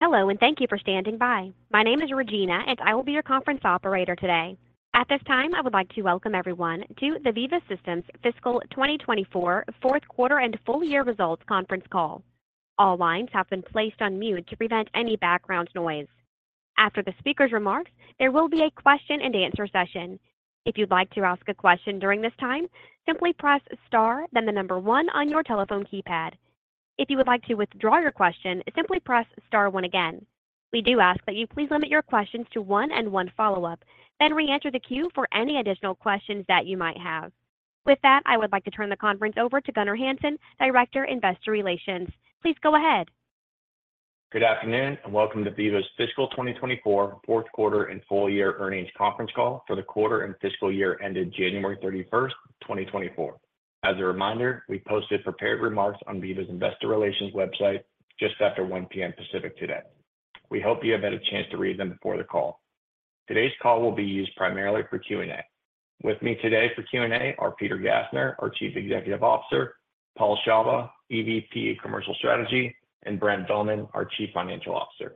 Hello, and thank you for standing by. My name is Regina, and I will be your conference operator today. At this time, I would like to welcome everyone to the Veeva Systems Fiscal 2024 fourth quarter and full year results conference call. All lines have been placed on mute to prevent any background noise. After the speaker's remarks, there will be a question-and-answer session. If you'd like to ask a question during this time, simply press star, then the number one on your telephone keypad. If you would like to withdraw your question, simply press star one again. We do ask that you please limit your questions to one and one follow-up, then reenter the queue for any additional questions that you might have. With that, I would like to turn the conference over to Gunnar Hansen, Director of Investor Relations. Please go ahead. Good afternoon, and welcome to Veeva's fiscal 2024 fourth quarter and full year earnings conference call for the quarter and fiscal year ended January 31, 2024. As a reminder, we posted prepared remarks on Veeva's Investor Relations website just after 1 P.M. Pacific today. We hope you have had a chance to read them before the call. Today's call will be used primarily for Q&A. With me today for Q&A are Peter Gassner, our Chief Executive Officer, Paul Shawah, EVP Commercial Strategy, and Brent Bowman, our Chief Financial Officer.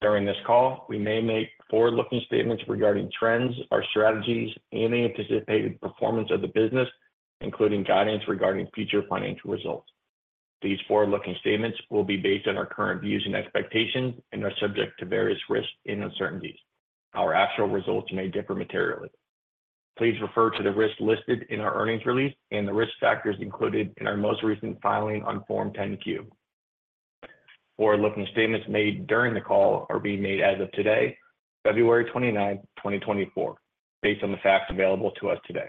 During this call, we may make forward-looking statements regarding trends, our strategies, and the anticipated performance of the business, including guidance regarding future financial results. These forward-looking statements will be based on our current views and expectations and are subject to various risks and uncertainties. Our actual results may differ materially. Please refer to the risks listed in our earnings release and the risk factors included in our most recent filing on Form 10-Q. Forward-looking statements made during the call are being made as of today, February 29, 2024, based on the facts available to us today.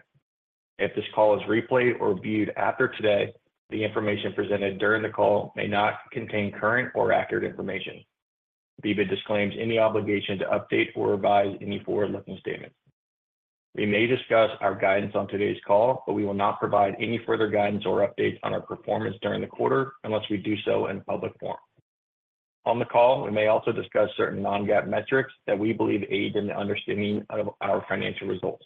If this call is replayed or viewed after today, the information presented during the call may not contain current or accurate information. Veeva disclaims any obligation to update or revise any forward-looking statement. We may discuss our guidance on today's call, but we will not provide any further guidance or updates on our performance during the quarter unless we do so in public forum. On the call, we may also discuss certain non-GAAP metrics that we believe aid in the understanding of our financial results.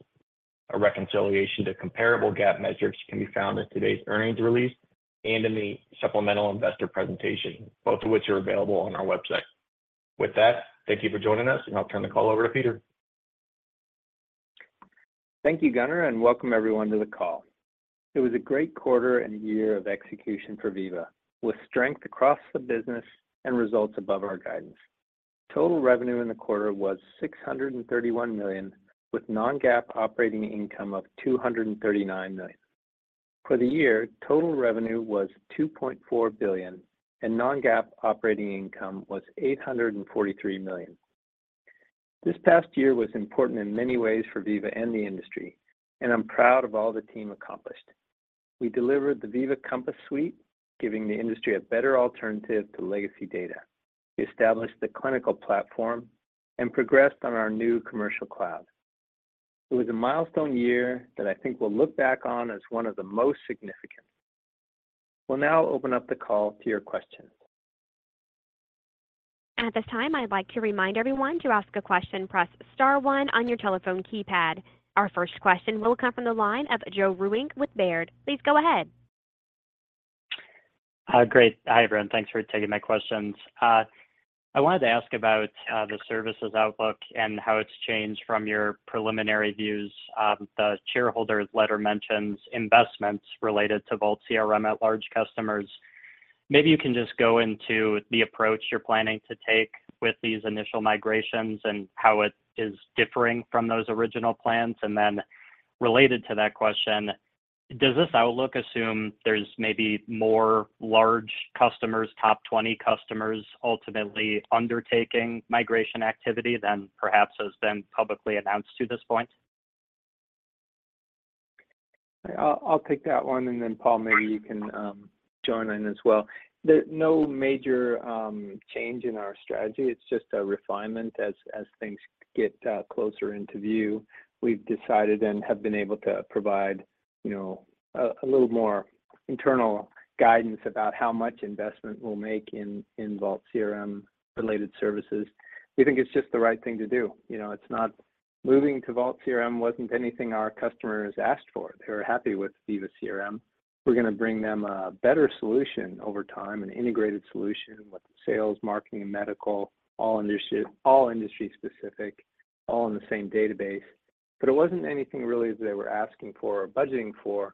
A reconciliation to comparable GAAP measures can be found in today's earnings release and in the supplemental investor presentation, both of which are available on our website. With that, thank you for joining us, and I'll turn the call over to Peter. Thank you, Gunnar, and welcome everyone to the call. It was a great quarter and year of execution for Veeva, with strength across the business and results above our guidance. Total revenue in the quarter was $631 million, with non-GAAP operating income of $239 million. For the year, total revenue was $2.4 billion, and non-GAAP operating income was $843 million. This past year was important in many ways for Veeva and the industry, and I'm proud of all the team accomplished. We delivered the Veeva Compass Suite, giving the industry a better alternative to legacy data. We established the clinical platform and progressed on our new Commercial Cloud. It was a milestone year that I think we'll look back on as one of the most significant. We'll now open up the call to your questions. At this time, I'd like to remind everyone, to ask a question, press Star one on your telephone keypad. Our first question will come from the line of Joe Vruwink with Baird. Please go ahead. Great. Hi, everyone. Thanks for taking my questions. I wanted to ask about the services outlook and how it's changed from your preliminary views. The shareholders' letter mentions investments related to Vault CRM at large customers. Maybe you can just go into the approach you're planning to take with these initial migrations and how it is differing from those original plans. And then related to that question, does this outlook assume there's maybe more large customers, top 20 customers, ultimately undertaking migration activity than perhaps has been publicly announced to this point? I'll take that one, and then, Paul, maybe you can join in as well. There's no major change in our strategy. It's just a refinement as things get closer into view. We've decided and have been able to provide, you know, a little more internal guidance about how much investment we'll make in Vault CRM-related services. We think it's just the right thing to do. You know, it's not... Moving to Vault CRM wasn't anything our customers asked for. They were happy with Veeva CRM. We're going to bring them a better solution over time, an integrated solution with sales, marketing, and medical, all industry specific, all in the same database. But it wasn't anything really they were asking for or budgeting for,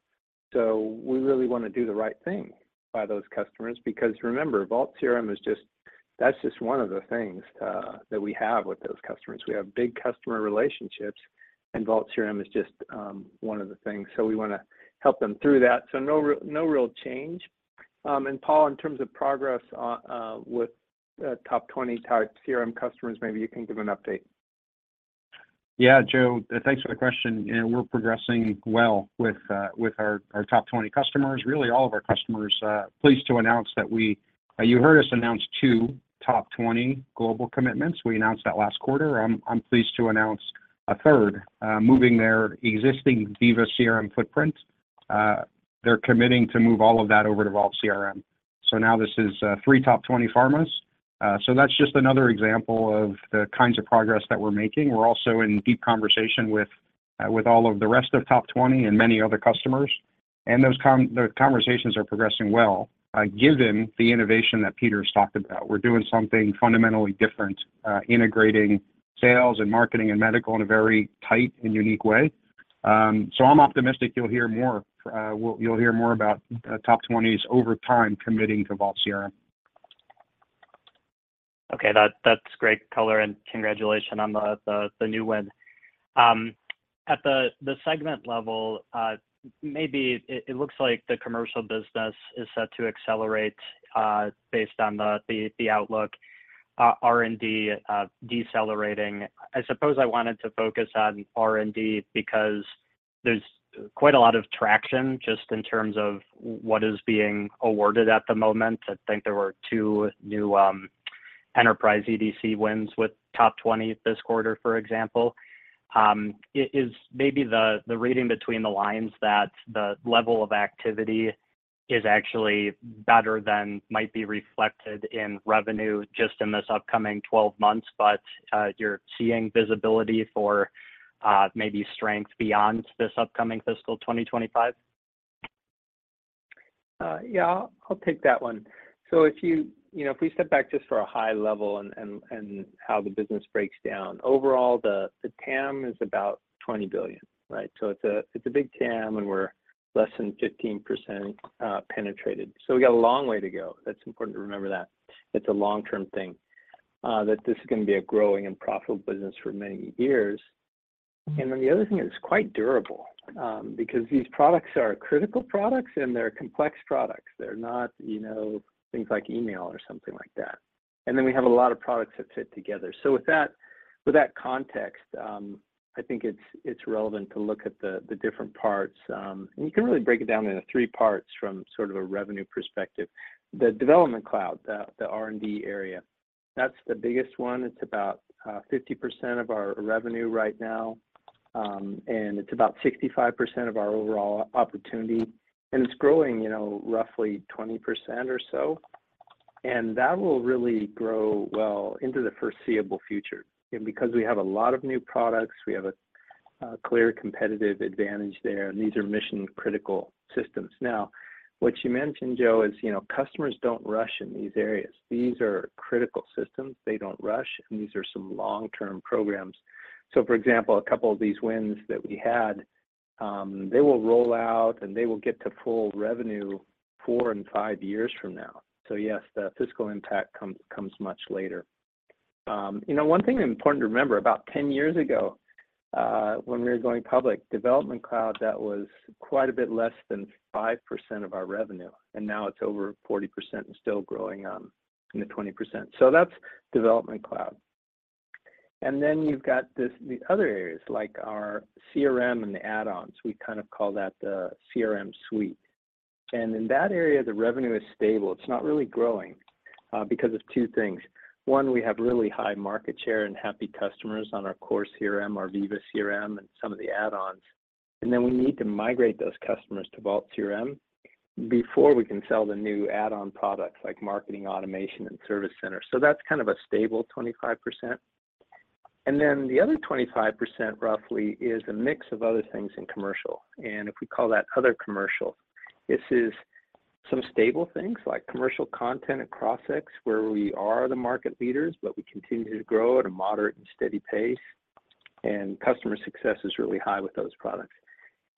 so we really want to do the right thing by those customers. Because remember, Vault CRM is just—that's just one of the things that we have with those customers. We have big customer relationships, and Vault CRM is just one of the things, so we wanna help them through that. So no real, no real change. And Paul, in terms of progress with top 20 type CRM customers, maybe you can give an update. Yeah, Joe, thanks for the question. You know, we're progressing well with our top 20 customers. Really, all of our customers. Pleased to announce that we. You heard us announce two top 20 global commitments. We announced that last quarter. I'm pleased to announce a third, moving their existing Veeva CRM footprint. They're committing to move all of that over to Vault CRM. So now this is three top 20 pharmas. So that's just another example of the kinds of progress that we're making. We're also in deep conversation with all of the rest of top 20 and many other customers.... and those conversations are progressing well, given the innovation that Peter's talked about. We're doing something fundamentally different, integrating sales and marketing and medical in a very tight and unique way. So I'm optimistic you'll hear more about top twenties over time committing to Vault CRM. Okay, that's great color, and congratulations on the new win. At the segment level, maybe it looks like the commercial business is set to accelerate based on the outlook, R&D decelerating. I suppose I wanted to focus on R&D because there's quite a lot of traction just in terms of what is being awarded at the moment. I think there were 2 new enterprise EDC wins with top 20 this quarter, for example. Is maybe the reading between the lines that the level of activity is actually better than might be reflected in revenue just in this upcoming 12 months, but you're seeing visibility for maybe strength beyond this upcoming fiscal 2025? Yeah, I'll take that one. So if you... You know, if we step back just for a high level and how the business breaks down, overall, the TAM is about $20 billion, right? So it's a big TAM, and we're less than 15%, penetrated. So we got a long way to go. That's important to remember that. It's a long-term thing that this is gonna be a growing and profitable business for many years. And then the other thing, it's quite durable because these products are critical products, and they're complex products. They're not, you know, things like email or something like that. And then we have a lot of products that fit together. So with that context, I think it's relevant to look at the different parts. And you can really break it down into 3 parts from sort of a revenue perspective. The Development Cloud, the R&D area, that's the biggest one. It's about 50% of our revenue right now, and it's about 65% of our overall opportunity, and it's growing, you know, roughly 20% or so. That will really grow well into the foreseeable future. Because we have a lot of new products, we have a clear competitive advantage there, and these are mission-critical systems. Now, what you mentioned, Joe, is, you know, customers don't rush in these areas. These are critical systems. They don't rush, and these are some long-term programs. For example, a couple of these wins that we had, they will roll out, and they will get to full revenue 4 and 5 years from now. So yes, the fiscal impact comes much later. You know, one thing important to remember, about ten years ago, when we were going public, Development Cloud, that was quite a bit less than 5% of our revenue, and now it's over 40% and still growing, in the 20%. So that's Development Cloud. And then you've got this, the other areas, like our CRM and the add-ons. We kind of call that the CRM suite. And in that area, the revenue is stable. It's not really growing, because of two things. One, we have really high market share and happy customers on our core CRM, our Veeva CRM, and some of the add-ons, and then we need to migrate those customers to Vault CRM before we can sell the new add-on products like Marketing Automation, and Service Center. So that's kind of a stable 25%. And then the other 25%, roughly, is a mix of other things in commercial, and if we call that other commercial, this is some stable things like Commercial Content and Crossix, where we are the market leaders, but we continue to grow at a moderate and steady pace, and customer success is really high with those products.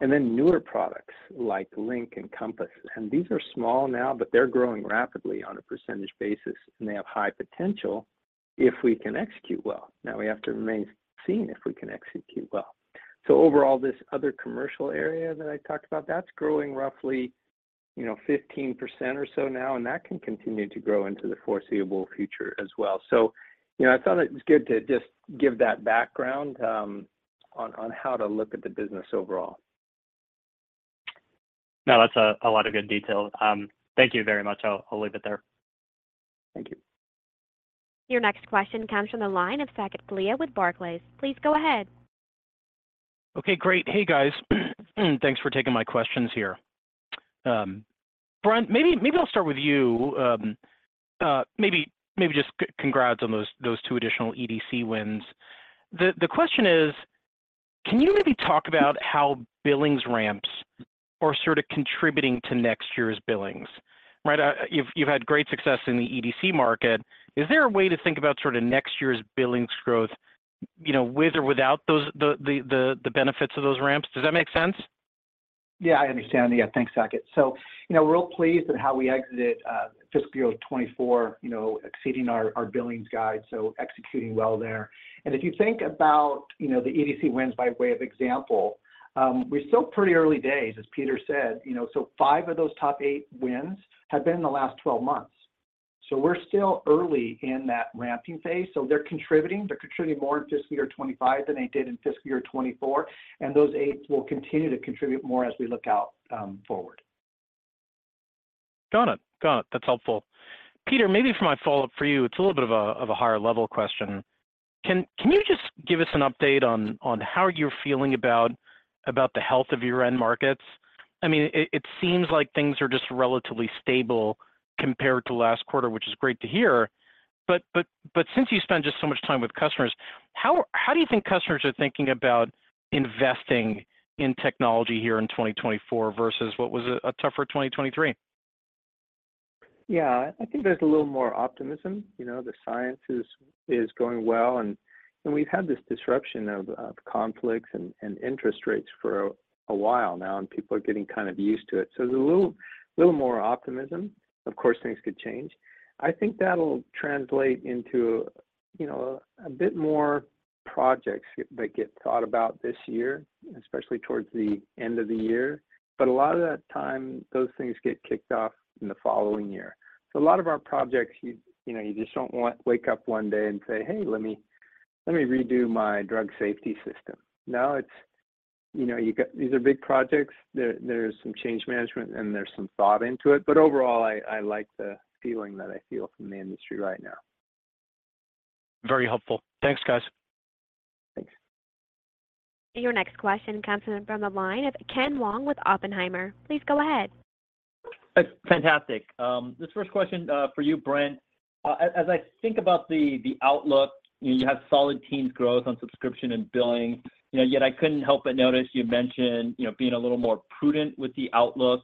And then newer products like Link and Compass, and these are small now, but they're growing rapidly on a percentage basis, and they have high potential if we can execute well. Now we have to remain seeing if we can execute well. So overall, this other commercial area that I talked about, that's growing roughly, you know, 15% or so now, and that can continue to grow into the foreseeable future as well. You know, I thought it was good to just give that background on how to look at the business overall. No, that's a lot of good detail. Thank you very much. I'll leave it there. Thank you. Your next question comes from the line of Saket Kalia with Barclays. Please go ahead. Okay, great. Hey, guys. Thanks for taking my questions here. Brent, maybe I'll start with you. Maybe just congrats on those two additional EDC wins. The question is: can you maybe talk about how billings ramps are sort of contributing to next year's billings, right? You've had great success in the EDC market. Is there a way to think about sort of next year's billings growth, you know, with or without the benefits of those ramps? Does that make sense? Yeah, I understand. Yeah. Thanks, Saket. So, you know, we're real pleased at how we exited fiscal year 2024, you know, exceeding our billings guide, so executing well there. And if you think about, you know, the EDC wins by way of example, we're still pretty early days, as Peter said, you know, so five of those top eight wins have been in the last 12 months. So we're still early in that ramping phase, so they're contributing. They're contributing more in fiscal year 2025 than they did in fiscal year 2024, and those eight will continue to contribute more as we look out forward. Got it. Got it. That's helpful. Peter, maybe for my follow-up for you, it's a little bit of a higher level question. Can you just give us an update on how you're feeling about the health of your end markets? I mean, it seems like things are just relatively stable.... compared to last quarter, which is great to hear. But since you spend just so much time with customers, how do you think customers are thinking about investing in technology here in 2024 versus what was a tougher 2023? Yeah, I think there's a little more optimism. You know, the science is going well, and we've had this disruption of conflicts and interest rates for a while now, and people are getting kind of used to it. So there's a little more optimism. Of course, things could change. I think that'll translate into, you know, a bit more projects that get thought about this year, especially towards the end of the year. But a lot of that time, those things get kicked off in the following year. So a lot of our projects, you know, you just don't wake up one day and say, "Hey, let me, let me redo my drug safety system." Now, it's... You know, you got these are big projects. There, there's some change management, and there's some thought into it, but overall, I, I like the feeling that I feel from the industry right now. Very helpful. Thanks, guys. Thanks. Your next question comes in from the line of Ken Wong with Oppenheimer. Please go ahead. Fantastic. This first question for you, Brent. As I think about the outlook, you have solid teams growth on subscription and billing. You know, yet I couldn't help but notice you mentioned, you know, being a little more prudent with the outlook,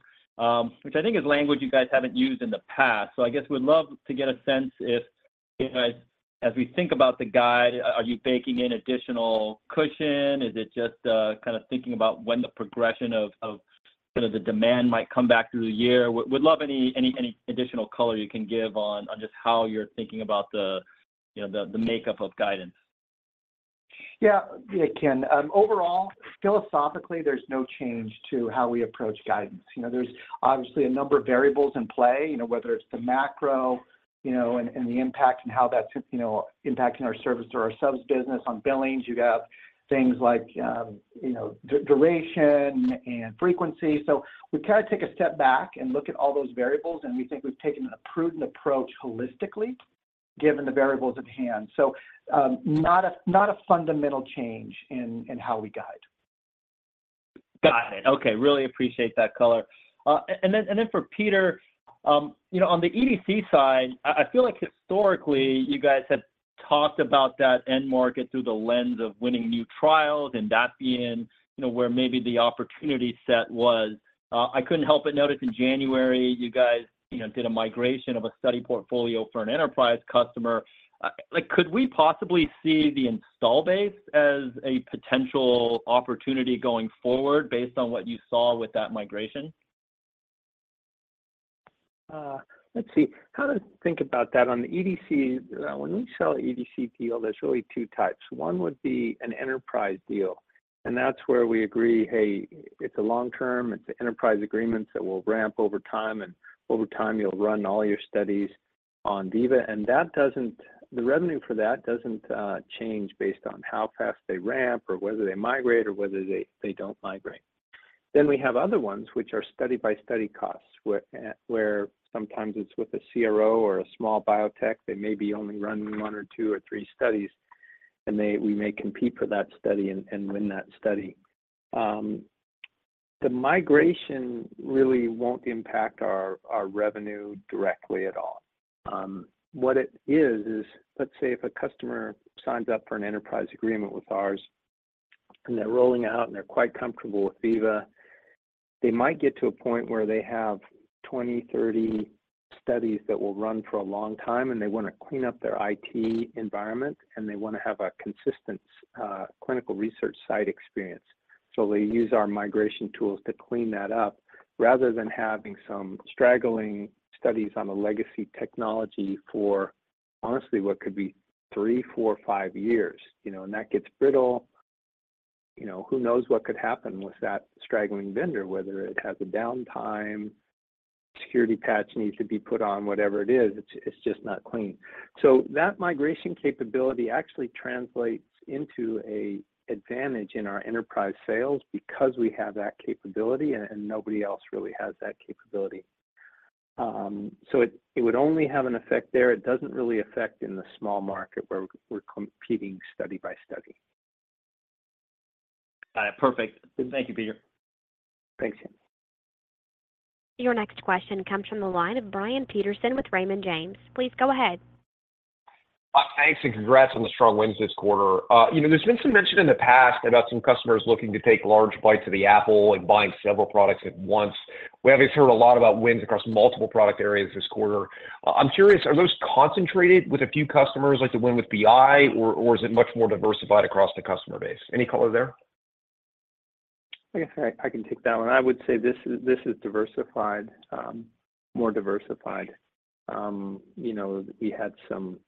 which I think is language you guys haven't used in the past. So I guess we'd love to get a sense if, you guys, as we think about the guide, are you baking in additional cushion? Is it just kind of thinking about when the progression of kind of the demand might come back through the year? Would love any additional color you can give on just how you're thinking about the, you know, the makeup of guidance. Yeah. Yeah, Ken, overall, philosophically, there's no change to how we approach guidance. You know, there's obviously a number of variables in play, you know, whether it's the macro, you know, and the impact and how that's, you know, impacting our service or our subs business. On billings, you have things like, you know, duration and frequency. So we kind of take a step back and look at all those variables, and we think we've taken a prudent approach holistically, given the variables at hand. So, not a fundamental change in how we guide. Got it. Okay. Really appreciate that color. And then for Peter, you know, on the EDC side, I feel like historically, you guys have talked about that end market through the lens of winning new trials and that being, you know, where maybe the opportunity set was. I couldn't help but notice in January, you guys, you know, did a migration of a study portfolio for an enterprise customer. Like, could we possibly see the install base as a potential opportunity going forward based on what you saw with that migration? Let's see. How to think about that? On the EDC, when we sell an EDC deal, there's really two types. One would be an enterprise deal, and that's where we agree, hey, it's a long term, it's an enterprise agreement that will ramp over time, and over time, you'll run all your studies on Veeva. And that doesn't, the revenue for that doesn't change based on how fast they ramp or whether they migrate or whether they don't migrate. Then we have other ones, which are study-by-study costs, where sometimes it's with a CRO or a small biotech, they may be only running one or two or three studies, and we may compete for that study and win that study. The migration really won't impact our revenue directly at all. What it is is, let's say, if a customer signs up for an enterprise agreement with ours, and they're rolling out, and they're quite comfortable with Veeva, they might get to a point where they have 20, 30 studies that will run for a long time, and they want to clean up their IT environment, and they want to have a consistent, clinical research site experience. So they use our migration tools to clean that up, rather than having some straggling studies on a legacy technology for, honestly, what could be 3, 4, 5 years, you know? And that gets brittle. You know, who knows what could happen with that straggling vendor, whether it has a downtime, security patch needs to be put on, whatever it is, it's just not clean. So that migration capability actually translates into an advantage in our enterprise sales because we have that capability and nobody else really has that capability. So it would only have an effect there. It doesn't really affect in the small market where we're competing study by study. Got it. Perfect. Thank you, Peter. Thanks, Ken. Your next question comes from the line of Brian Peterson with Raymond James. Please go ahead. Thanks, and congrats on the strong wins this quarter. You know, there's been some mention in the past about some customers looking to take large bites of the apple and buying several products at once. We have heard a lot about wins across multiple product areas this quarter. I'm curious, are those concentrated with a few customers, like the win with BI, or is it much more diversified across the customer base? Any color there? I guess I, I can take that one. I would say this is, this is diversified, more diversified. You know, we had some,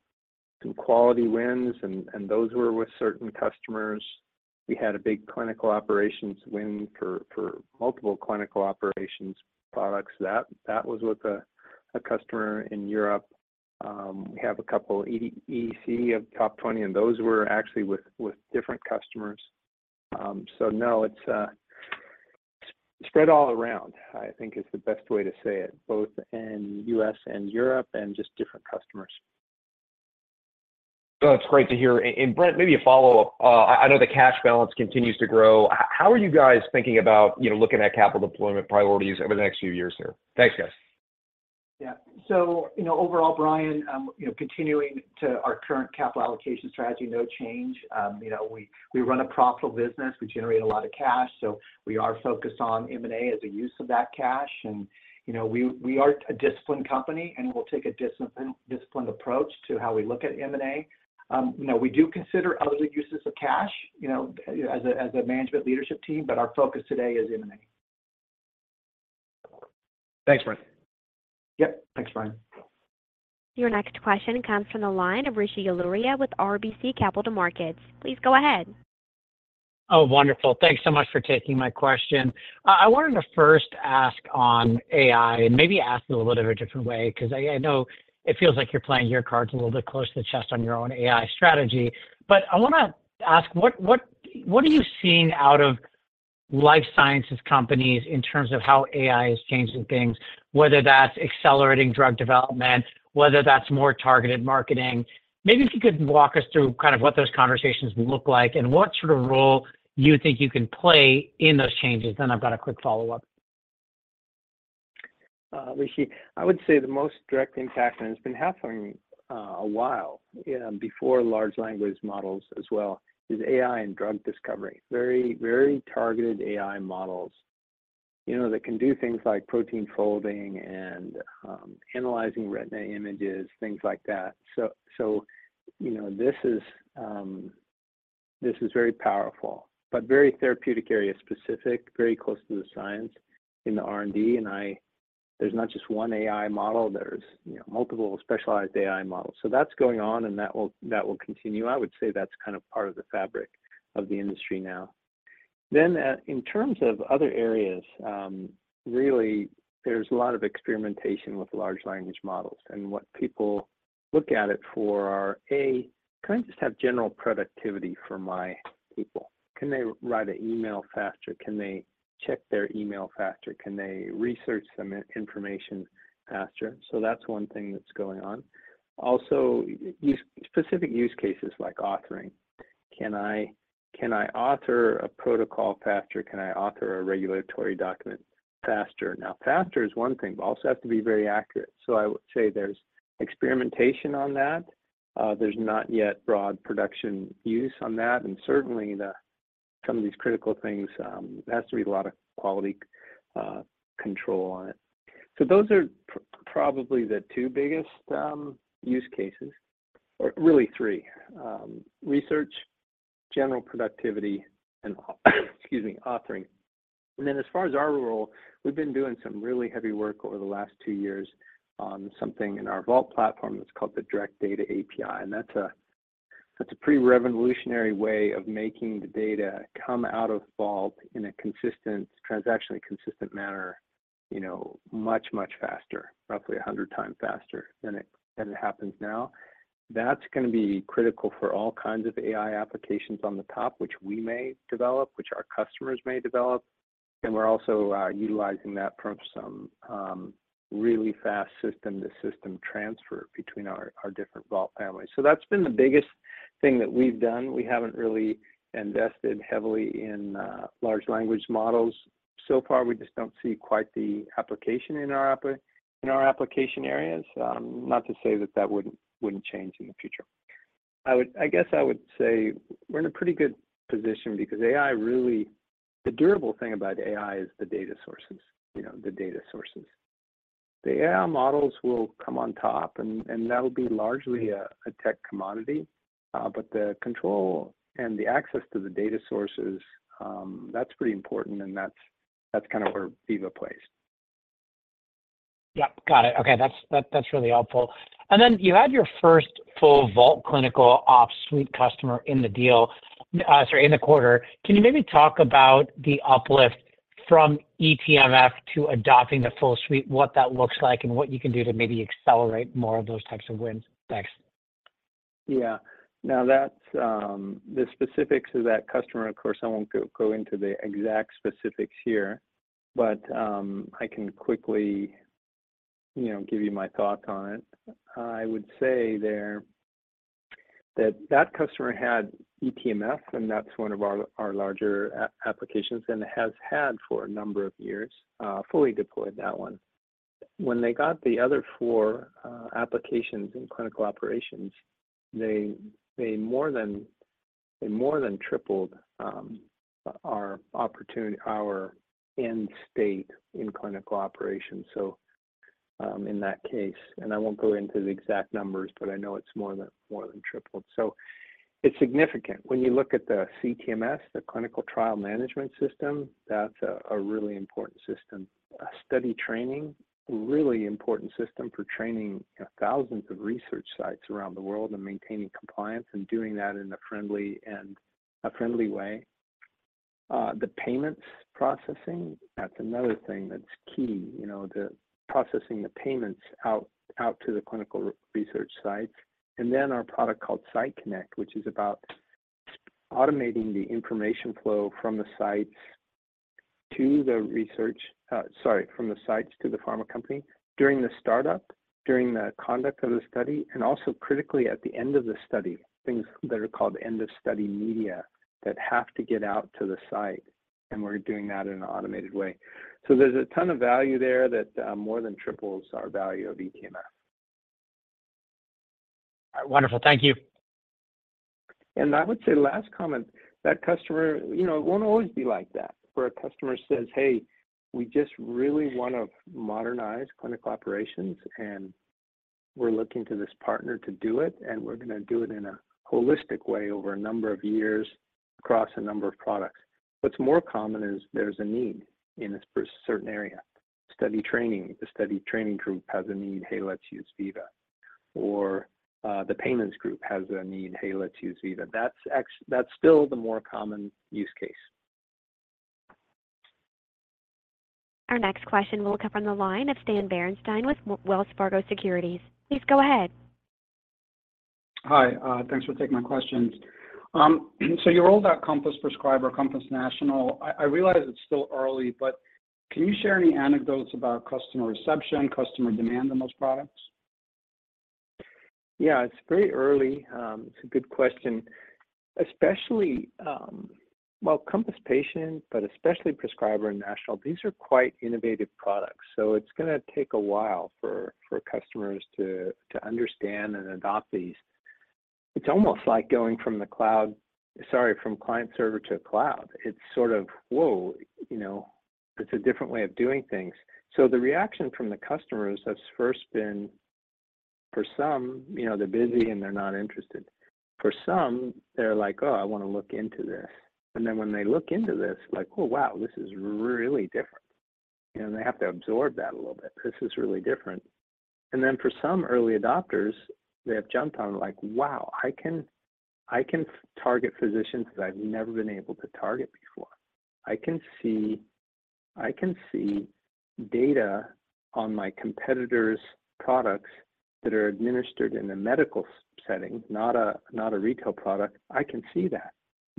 some quality wins, and, and those were with certain customers. We had a big clinical operations win for, for multiple clinical operations products. That, that was with a, a customer in Europe. We have a couple EDC of top 20, and those were actually with, with different customers. So no, it's, spread all around, I think is the best way to say it, both in U.S. and Europe, and just different customers. ... Well, that's great to hear. And Brent, maybe a follow-up. I know the cash balance continues to grow. How are you guys thinking about, you know, looking at capital deployment priorities over the next few years here? Thanks, guys. Yeah. So, you know, overall, Brian, you know, continuing to our current capital allocation strategy, no change. You know, we run a profitable business, we generate a lot of cash, so we are focused on M&A as a use of that cash. And, you know, we are a disciplined company, and we'll take a disciplined approach to how we look at M&A. You know, we do consider other uses of cash, you know, as a management leadership team, but our focus today is M&A. Thanks, Brent. Yep. Thanks, Brian. Your next question comes from the line of Rishi Jaluria with RBC Capital Markets. Please go ahead. Oh, wonderful. Thanks so much for taking my question. I wanted to first ask on AI, and maybe ask it a little bit of a different way, 'cause I know it feels like you're playing your cards a little bit close to the chest on your own AI strategy. But I wanna ask, what are you seeing out of life sciences companies in terms of how AI is changing things, whether that's accelerating drug development, whether that's more targeted marketing? Maybe if you could walk us through kind of what those conversations look like, and what sort of role you think you can play in those changes, then I've got a quick follow-up. Rishi, I would say the most direct impact, and it's been happening a while before large language models as well, is AI and drug discovery. Very, very targeted AI models, you know, that can do things like protein folding and analyzing retina images, things like that. So, you know, this is this is very powerful, but very therapeutic area-specific, very close to the science in the R&D, and I-- there's not just one AI model, there's, you know, multiple specialized AI models. So that's going on, and that will, that will continue. I would say that's kind of part of the fabric of the industry now. Then, in terms of other areas, really, there's a lot of experimentation with large language models, and what people look at it for are: A, can I just have general productivity for my people? Can they write an email faster? Can they check their email faster? Can they research some information faster? So that's one thing that's going on. Also, specific use cases like authoring. Can I, can I author a protocol faster? Can I author a regulatory document faster? Now, faster is one thing, but also has to be very accurate. So I would say there's experimentation on that. There's not yet broad production use on that, and certainly, some of these critical things, there has to be a lot of quality control on it. So those are probably the two biggest use cases, or really three: research, general productivity, and, excuse me, authoring. As far as our role, we've been doing some really heavy work over the last two years on something in our Vault platform that's called the Direct Data API, and that's a pretty revolutionary way of making the data come out of Vault in a consistent, transactionally consistent manner, you know, much, much faster, roughly 100 times faster than it happens now. That's gonna be critical for all kinds of AI applications on the top, which we may develop, which our customers may develop, and we're also utilizing that for some really fast system-to-system transfer between our different Vault families. So that's been the biggest thing that we've done. We haven't really invested heavily in large Ianguage models. So far, we just don't see quite the application in our application areas. Not to say that that wouldn't change in the future. I guess I would say we're in a pretty good position because AI really, the durable thing about AI is the data sources, you know, the data sources. The AI models will come on top, and that'll be largely a tech commodity, but the control and the access to the data sources, that's pretty important, and that's kind of where Veeva plays. Yep, got it. Okay, that's, that, that's really helpful. And then, you had your first full Vault Clinical Operations Suite customer in the deal, sorry, in the quarter. Can you maybe talk about the uplift from eTMF to adopting the full suite, what that looks like and what you can do to maybe accelerate more of those types of wins? Thanks. Yeah. Now, that's the specifics of that customer, of course, I won't go into the exact specifics here, but I can quickly, you know, give you my thoughts on it. I would say there, that that customer had eTMF, and that's one of our larger applications, and it has had for a number of years fully deployed that one. When they got the other four applications in clinical operations, they more than tripled our opportunity, our end state in clinical operations. So, in that case, and I won't go into the exact numbers, but I know it's more than tripled. So it's significant. When you look at the CTMS, the Clinical Trial Management System, that's a really important system. Study Training, really important system for training thousands of research sites around the world and maintaining compliance and doing that in a friendly and a friendly way. The payments processing, that's another thing that's key, you know, the processing the payments out to the clinical research sites. And then our product called Site Connect, which is about automating the information flow from the sites to the pharma company, during the startup, during the conduct of the study, and also critically, at the end of the study, things that are called end-of-study media that have to get out to the site, and we're doing that in an automated way. So there's a ton of value there that more than triples our value of eTMF. Wonderful. Thank you. I would say, last comment, that customer, you know, it won't always be like that, where a customer says, "Hey, we just really wanna modernize clinical operations, and we're looking to this partner to do it, and we're gonna do it in a holistic way over a number of years across a number of products." What's more common is there's a need in a certain area. Study Training, the Study Training group has a need, "Hey, let's use Veeva," or, the payments group has a need, "Hey, let's use Veeva." That's still the more common use case. Our next question will come from the line of Stan Berenshteyn with Wells Fargo Securities. Please go ahead. Hi, thanks for taking my questions. So you rolled out Compass Prescriber, Compass National. I realize it's still early, but can you share any anecdotes about customer reception, customer demand on those products? Yeah, it's very early. It's a good question. Especially, Well, Compass Patient, but especially Prescriber and National, these are quite innovative products, so it's gonna take a while for customers to understand and adopt these. It's almost like going from the cloud, sorry, from client-server to cloud. It's sort of, whoa, you know, it's a different way of doing things. So the reaction from the customers has first been, for some, you know, they're busy and they're not interested. For some, they're like, "Oh, I wanna look into this." And then when they look into this, like, "Oh, wow! This is really different," and they have to absorb that a little bit. This is really different. And then for some early adopters, they have jumped on it like, "Wow, I can target physicians that I've never been able to target before. I can see, I can see data on my competitors' products that are administered in a medical setting, not a, not a retail product. I can see that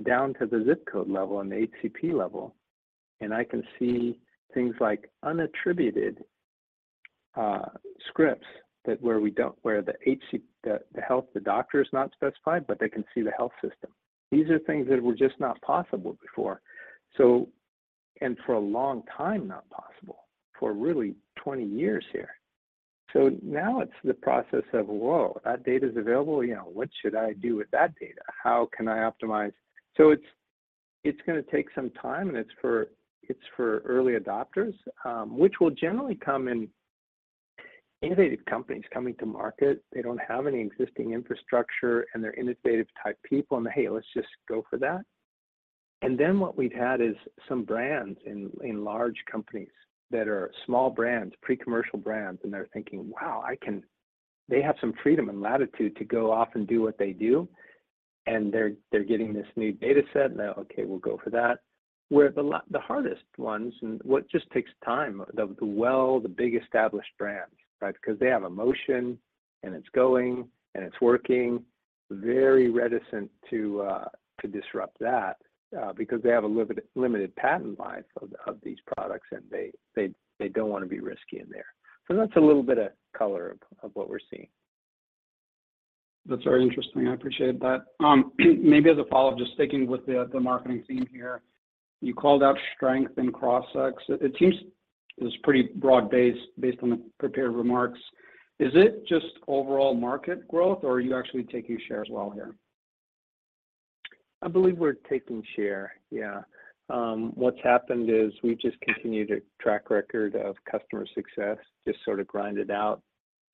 down to the zip code level and the HCP level. And I can see things like unattributed scripts that where the HCP, the doctor is not specified, but they can see the health system. These are things that were just not possible before. So, and for a long time, not possible, for really 20 years here. So now it's the process of, whoa, that data's available, you know, what should I do with that data? How can I optimize? So it's, it's gonna take some time, and it's for, it's for early adopters, which will generally come in... innovative companies coming to market. They don't have any existing infrastructure, and they're innovative-type people, and, "Hey, let's just go for that." And then what we've had is some brands in large companies that are small brands, pre-commercial brands, and they're thinking, "Wow, I can-" They have some freedom and latitude to go off and do what they do, and they're getting this new data set, and they're, "Okay, we'll go for that." Where the hardest ones, and what just takes time, the big established brands, right? Because they have a motion, and it's going, and it's working. Very reticent to disrupt that, because they have a limited patent life of these products, and they don't wanna be risky in there. So that's a little bit of color of what we're seeing. That's very interesting. I appreciate that. Maybe as a follow-up, just sticking with the marketing theme here. You called out strength in Crossix. It seems it's pretty broad-based, based on the prepared remarks. Is it just overall market growth, or are you actually taking share as well here? I believe we're taking share, yeah. What's happened is we've just continued a track record of customer success, just sort of grind it out.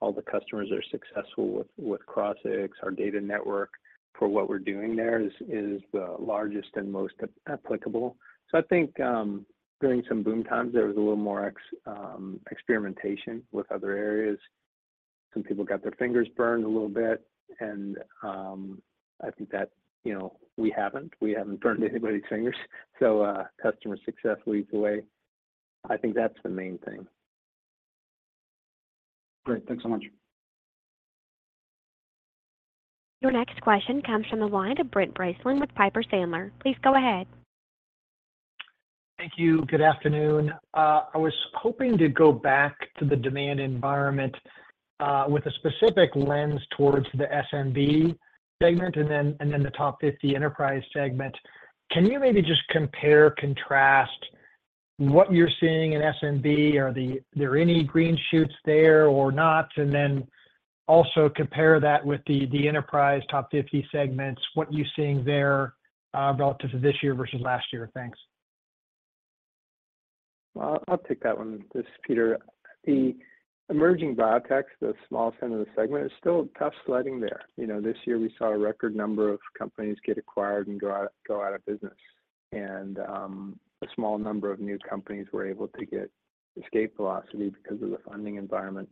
All the customers are successful with Crossix. Our data network for what we're doing there is the largest and most applicable. So I think during some boom times, there was a little more experimentation with other areas. Some people got their fingers burned a little bit, and I think that, you know, we haven't burned anybody's fingers. So customer success leads the way. I think that's the main thing. Great. Thanks so much. Your next question comes from the line of Brent Bracelin with Piper Sandler. Please go ahead. Thank you. Good afternoon. I was hoping to go back to the demand environment, with a specific lens towards the SMB segment and then, and then the top 50 enterprise segment. Can you maybe just compare, contrast what you're seeing in SMB? Are there any green shoots there or not? And then also compare that with the, the enterprise top 50 segments, what you're seeing there, relative to this year versus last year. Thanks. Well, I'll take that one. This is Peter. The emerging biotechs, the small center of the segment, is still tough sledding there. You know, this year we saw a record number of companies get acquired and go out of business. And a small number of new companies were able to get escape velocity because of the funding environment.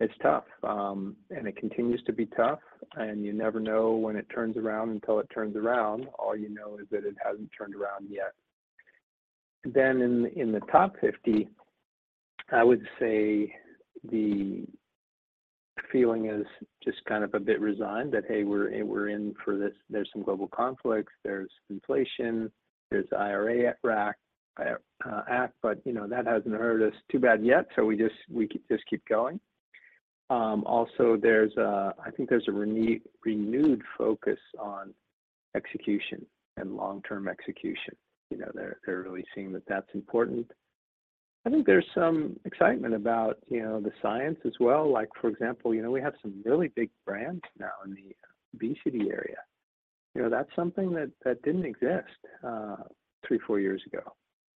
It's tough, and it continues to be tough, and you never know when it turns around until it turns around. All you know is that it hasn't turned around yet. Then in the top 50, I would say the feeling is just kind of a bit resigned, that, hey, we're in, we're in for this. There's some global conflicts, there's inflation, there's IRA enacted, but, you know, that hasn't hurt us too bad yet, so we just keep going. Also, there's a renewed focus on execution and long-term execution. You know, they're really seeing that that's important. I think there's some excitement about, you know, the science as well. Like, for example, you know, we have some really big brands now in the obesity area. You know, that's something that didn't exist three, four years ago.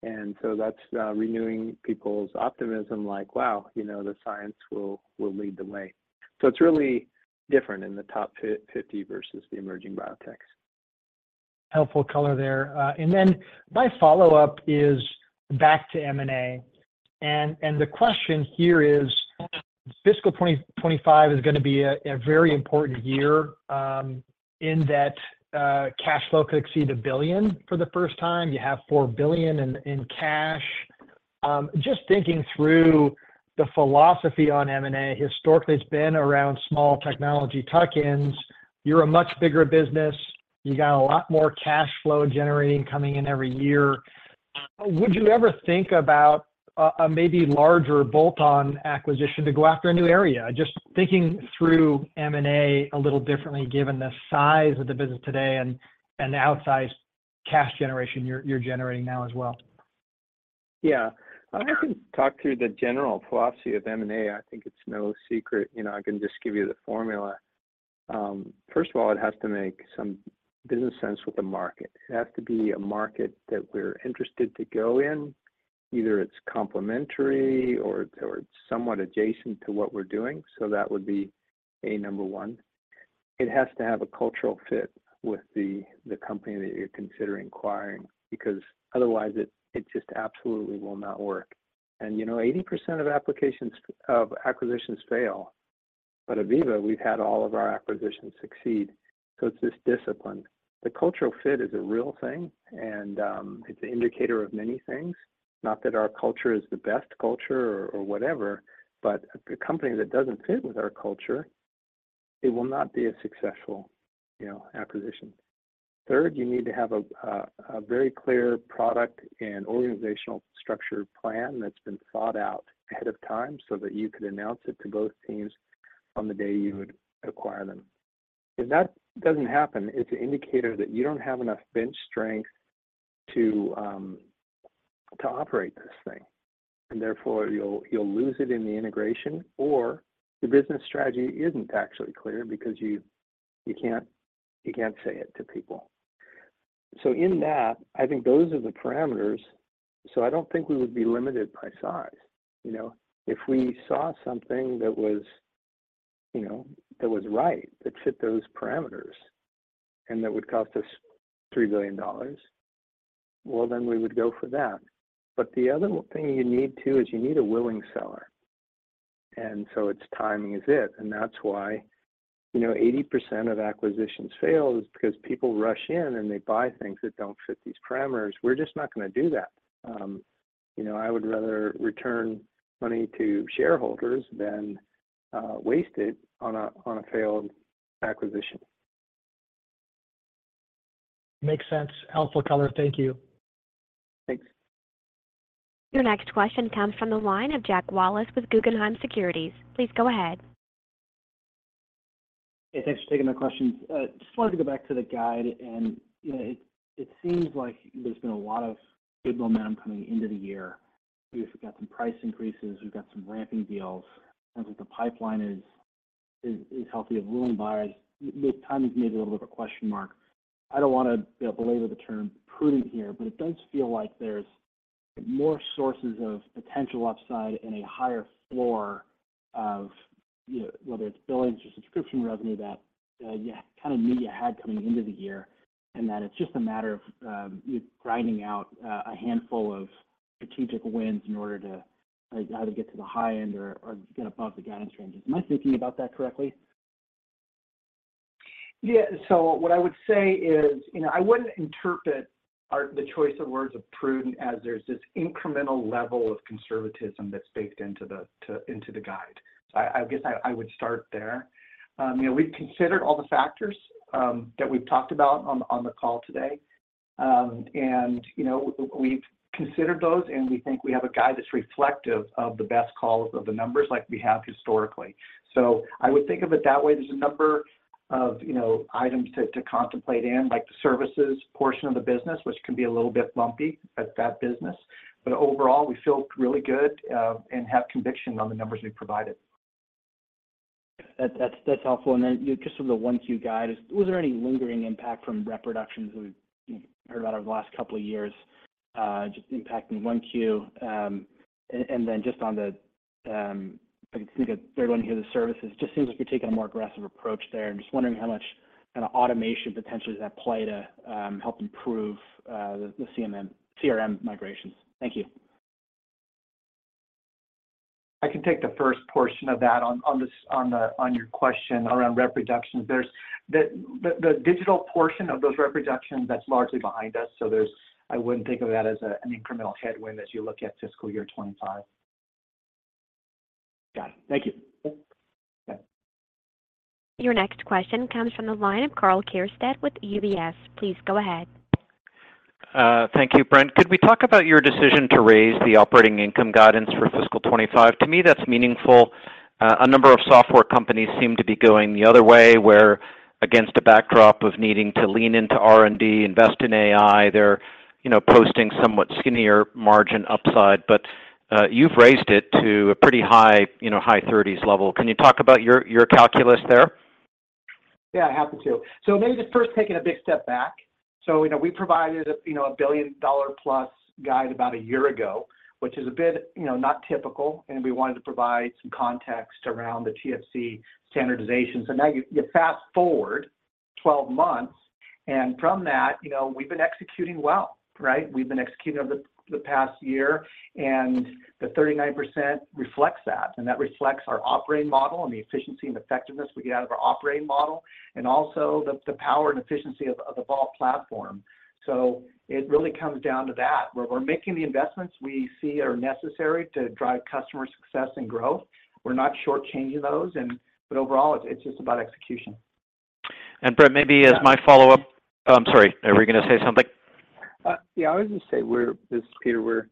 And so that's renewing people's optimism, like, wow, you know, the science will lead the way. So it's really different in the top fifty versus the emerging biotechs. Helpful color there. Then my follow-up is back to M&A, and the question here is: fiscal 2025 is gonna be a very important year, in that cash flow could exceed $1 billion for the first time. You have $4 billion in cash. Just thinking through the philosophy on M&A, historically, it's been around small technology tuck-ins. You're a much bigger business. You got a lot more cash flow generating coming in every year. Would you ever think about a maybe larger bolt-on acquisition to go after a new area? Just thinking through M&A a little differently, given the size of the business today and the outsized cash generation you're generating now as well. Yeah. I can talk through the general philosophy of M&A. I think it's no secret, you know, I can just give you the formula. First of all, it has to make some business sense with the market. It has to be a market that we're interested to go in. Either it's complementary or it's somewhat adjacent to what we're doing, so that would be number one. It has to have a cultural fit with the company that you're considering acquiring, because otherwise, it just absolutely will not work. And, you know, 80% of applications of acquisitions fail, but Veeva, we've had all of our acquisitions succeed, so it's this discipline. The cultural fit is a real thing, and it's an indicator of many things. Not that our culture is the best culture or whatever, but a company that doesn't fit with our culture, it will not be a successful, you know, acquisition. Third, you need to have a very clear product and organizational structure plan that's been thought out ahead of time so that you could announce it to both teams on the day you would acquire them. If that doesn't happen, it's an indicator that you don't have enough bench strength to operate this thing, and therefore, you'll lose it in the integration, or the business strategy isn't actually clear because you can't say it to people. So in that, I think those are the parameters, so I don't think we would be limited by size. You know, if we saw something that was, you know, that was right, that fit those parameters and that would cost us $3 billion, well, then we would go for that. But the other thing you need, too, is you need a willing seller, and so it's timing is it, and that's why, you know, 80% of acquisitions fail is because people rush in, and they buy things that don't fit these parameters. We're just not gonna do that. You know, I would rather return money to shareholders than waste it on a failed acquisition. Makes sense. Helpful color. Thank you. Thanks. Your next question comes from the line of Jack Wallace with Guggenheim Securities. Please go ahead. Hey, thanks for taking my questions. Just wanted to go back to the guide, and, you know, it seems like there's been a lot of good momentum coming into the year. We've got some price increases, we've got some ramping deals, and that the pipeline is healthy and willing to buy. The timing is maybe a little bit of a question mark. I don't wanna, you know, belabor the term prudent here, but it does feel like there's more sources of potential upside and a higher floor of whether it's billings or subscription revenue that, you kind of knew you had coming into the year, and that it's just a matter of you grinding out a handful of strategic wins in order to, either get to the high end or get above the guidance range. Am I thinking about that correctly? Yeah, so what I would say is, you know, I wouldn't interpret our the choice of words of prudent as there's this incremental level of conservatism that's baked into the to into the guide. I guess I would start there. You know, we've considered all the factors that we've talked about on the call today. And, you know, we've considered those, and we think we have a guide that's reflective of the best calls of the numbers like we have historically. So I would think of it that way. There's a number of, you know, items to contemplate in, like the services portion of the business, which can be a little bit lumpy at that business, but overall, we feel really good and have conviction on the numbers we've provided. That's helpful. And then just from the 1Q guide, was there any lingering impact from rep reductions we've, you know, heard about over the last couple of years just impacting 1Q? And then just on the services, just seems like you're taking a more aggressive approach there, and just wondering how much kind of automation potentially is at play to help improve the CRM migrations. Thank you. I can take the first portion of that on your question around rep reductions. There's the digital portion of those rep reductions, that's largely behind us, so there's—I wouldn't think of that as an incremental headwind as you look at fiscal year 25.... Got it. Thank you. Your next question comes from the line of Karl Keirstead with UBS. Please go ahead. Thank you, Brent. Could we talk about your decision to raise the operating income guidance for fiscal 25? To me, that's meaningful. A number of software companies seem to be going the other way, where against a backdrop of needing to lean into R&D, invest in AI, they're, you know, posting somewhat skinnier margin upside. But, you've raised it to a pretty high, you know, high 30s level. Can you talk about your, your calculus there? Yeah, I'm happy to. So maybe just first taking a big step back. So, you know, we provided, you know, a $1 billion-plus guide about a year ago, which is a bit, you know, not typical, and we wanted to provide some context around the TFC standardization. So now you fast forward 12 months, and from that, you know, we've been executing well, right? We've been executing over the past year, and the 39% reflects that, and that reflects our operating model and the efficiency and effectiveness we get out of our operating model, and also the power and efficiency of the Vault platform. So it really comes down to that, where we're making the investments we see are necessary to drive customer success and growth. We're not shortchanging those and... But overall, it's just about execution. And Brent, maybe as my follow-up. Oh, I'm sorry, are we gonna say something? Yeah, I would just say we're... This is Peter. We're,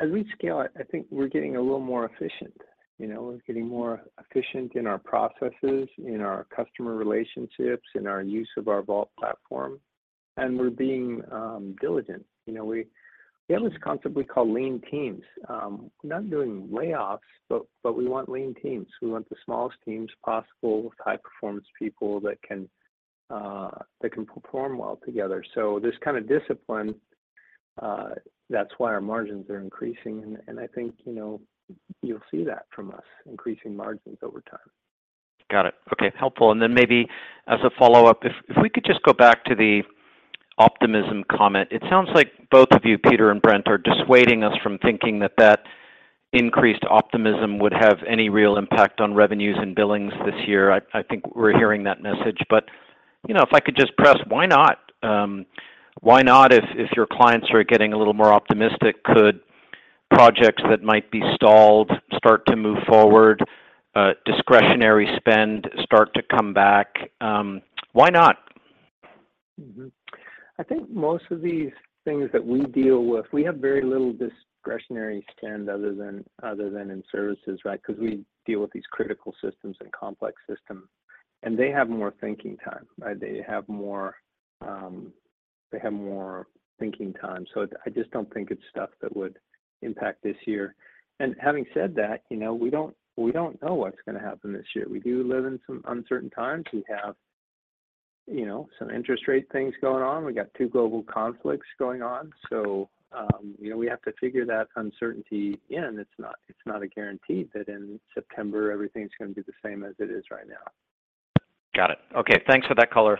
as we scale, I think we're getting a little more efficient. You know, we're getting more efficient in our processes, in our customer relationships, in our use of our Vault platform, and we're being diligent. You know, we have this concept we call lean teams. We're not doing layoffs, but, but we want lean teams. We want the smallest teams possible with high-performance people that can that can perform well together. So this kind of discipline, that's why our margins are increasing, and, and I think, you know, you'll see that from us, increasing margins over time. Got it. Okay, helpful. And then maybe as a follow-up, if we could just go back to the optimism comment. It sounds like both of you, Peter and Brent, are dissuading us from thinking that that increased optimism would have any real impact on revenues and billings this year. I think we're hearing that message, but, you know, if I could just press, why not? Why not, if your clients are getting a little more optimistic, could projects that might be stalled start to move forward, discretionary spend start to come back? Why not? Mm-hmm. I think most of these things that we deal with, we have very little discretionary spend other than, other than in services, right? Because we deal with these critical systems and complex systems, and they have more thinking time, right? They have more, they have more thinking time. So I just don't think it's stuff that would impact this year. And having said that, you know, we don't, we don't know what's gonna happen this year. We do live in some uncertain times. We have, you know, some interest rate things going on. We got two global conflicts going on. So, you know, we have to figure that uncertainty in. It's not, it's not a guarantee that in September, everything's gonna be the same as it is right now. Got it. Okay, thanks for that color.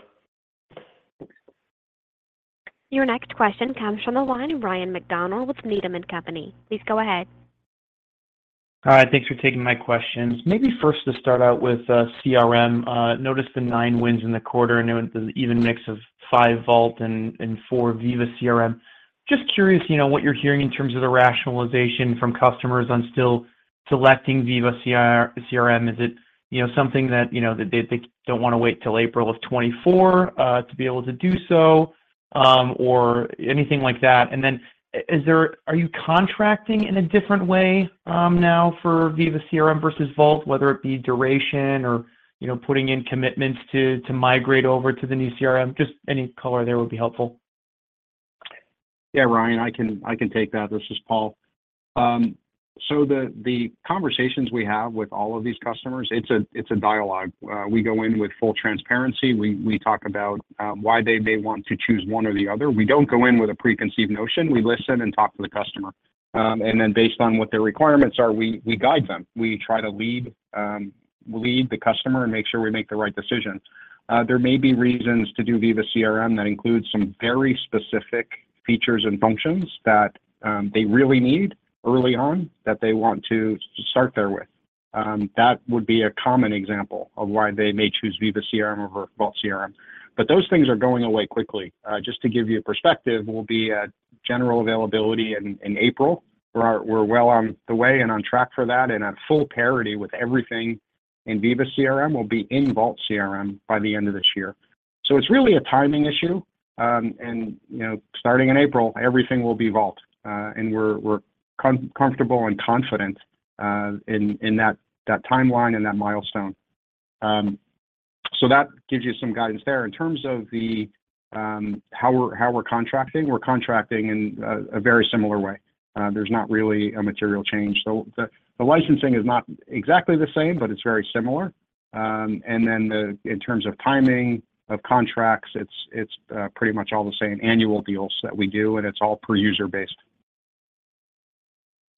Your next question comes from the line of Ryan MacDonald with Needham and Company. Please go ahead. Hi, thanks for taking my questions. Maybe first to start out with, CRM. Noticed the 9 wins in the quarter, and the even mix of 5 Vault and 4 Veeva CRM. Just curious, you know, what you're hearing in terms of the rationalization from customers on still selecting Veeva CRM. Is it, you know, something that, you know, that they don't wanna wait till April of 2024 to be able to do so, or anything like that? And then, are you contracting in a different way now for Veeva CRM versus Vault, whether it be duration or, you know, putting in commitments to migrate over to the new CRM? Just any color there would be helpful. Yeah, Ryan, I can take that. This is Paul. So the conversations we have with all of these customers, it's a dialogue. We go in with full transparency. We talk about why they may want to choose one or the other. We don't go in with a preconceived notion. We listen and talk to the customer. And then based on what their requirements are, we guide them. We try to lead the customer and make sure we make the right decision. There may be reasons to do Veeva CRM that includes some very specific features and functions that they really need early on, that they want to start there with. That would be a common example of why they may choose Veeva CRM over Vault CRM. But those things are going away quickly. Just to give you a perspective, we'll be at general availability in April. We're well on the way and on track for that, and at full parity with everything in Veeva CRM will be in Vault CRM by the end of this year. So it's really a timing issue. And, you know, starting in April, everything will be Vault, and we're comfortable and confident in that timeline and that milestone. So that gives you some guidance there. In terms of how we're contracting, we're contracting in a very similar way. There's not really a material change. So the licensing is not exactly the same, but it's very similar. And then in terms of timing of contracts, it's pretty much all the same annual deals that we do, and it's all per user based.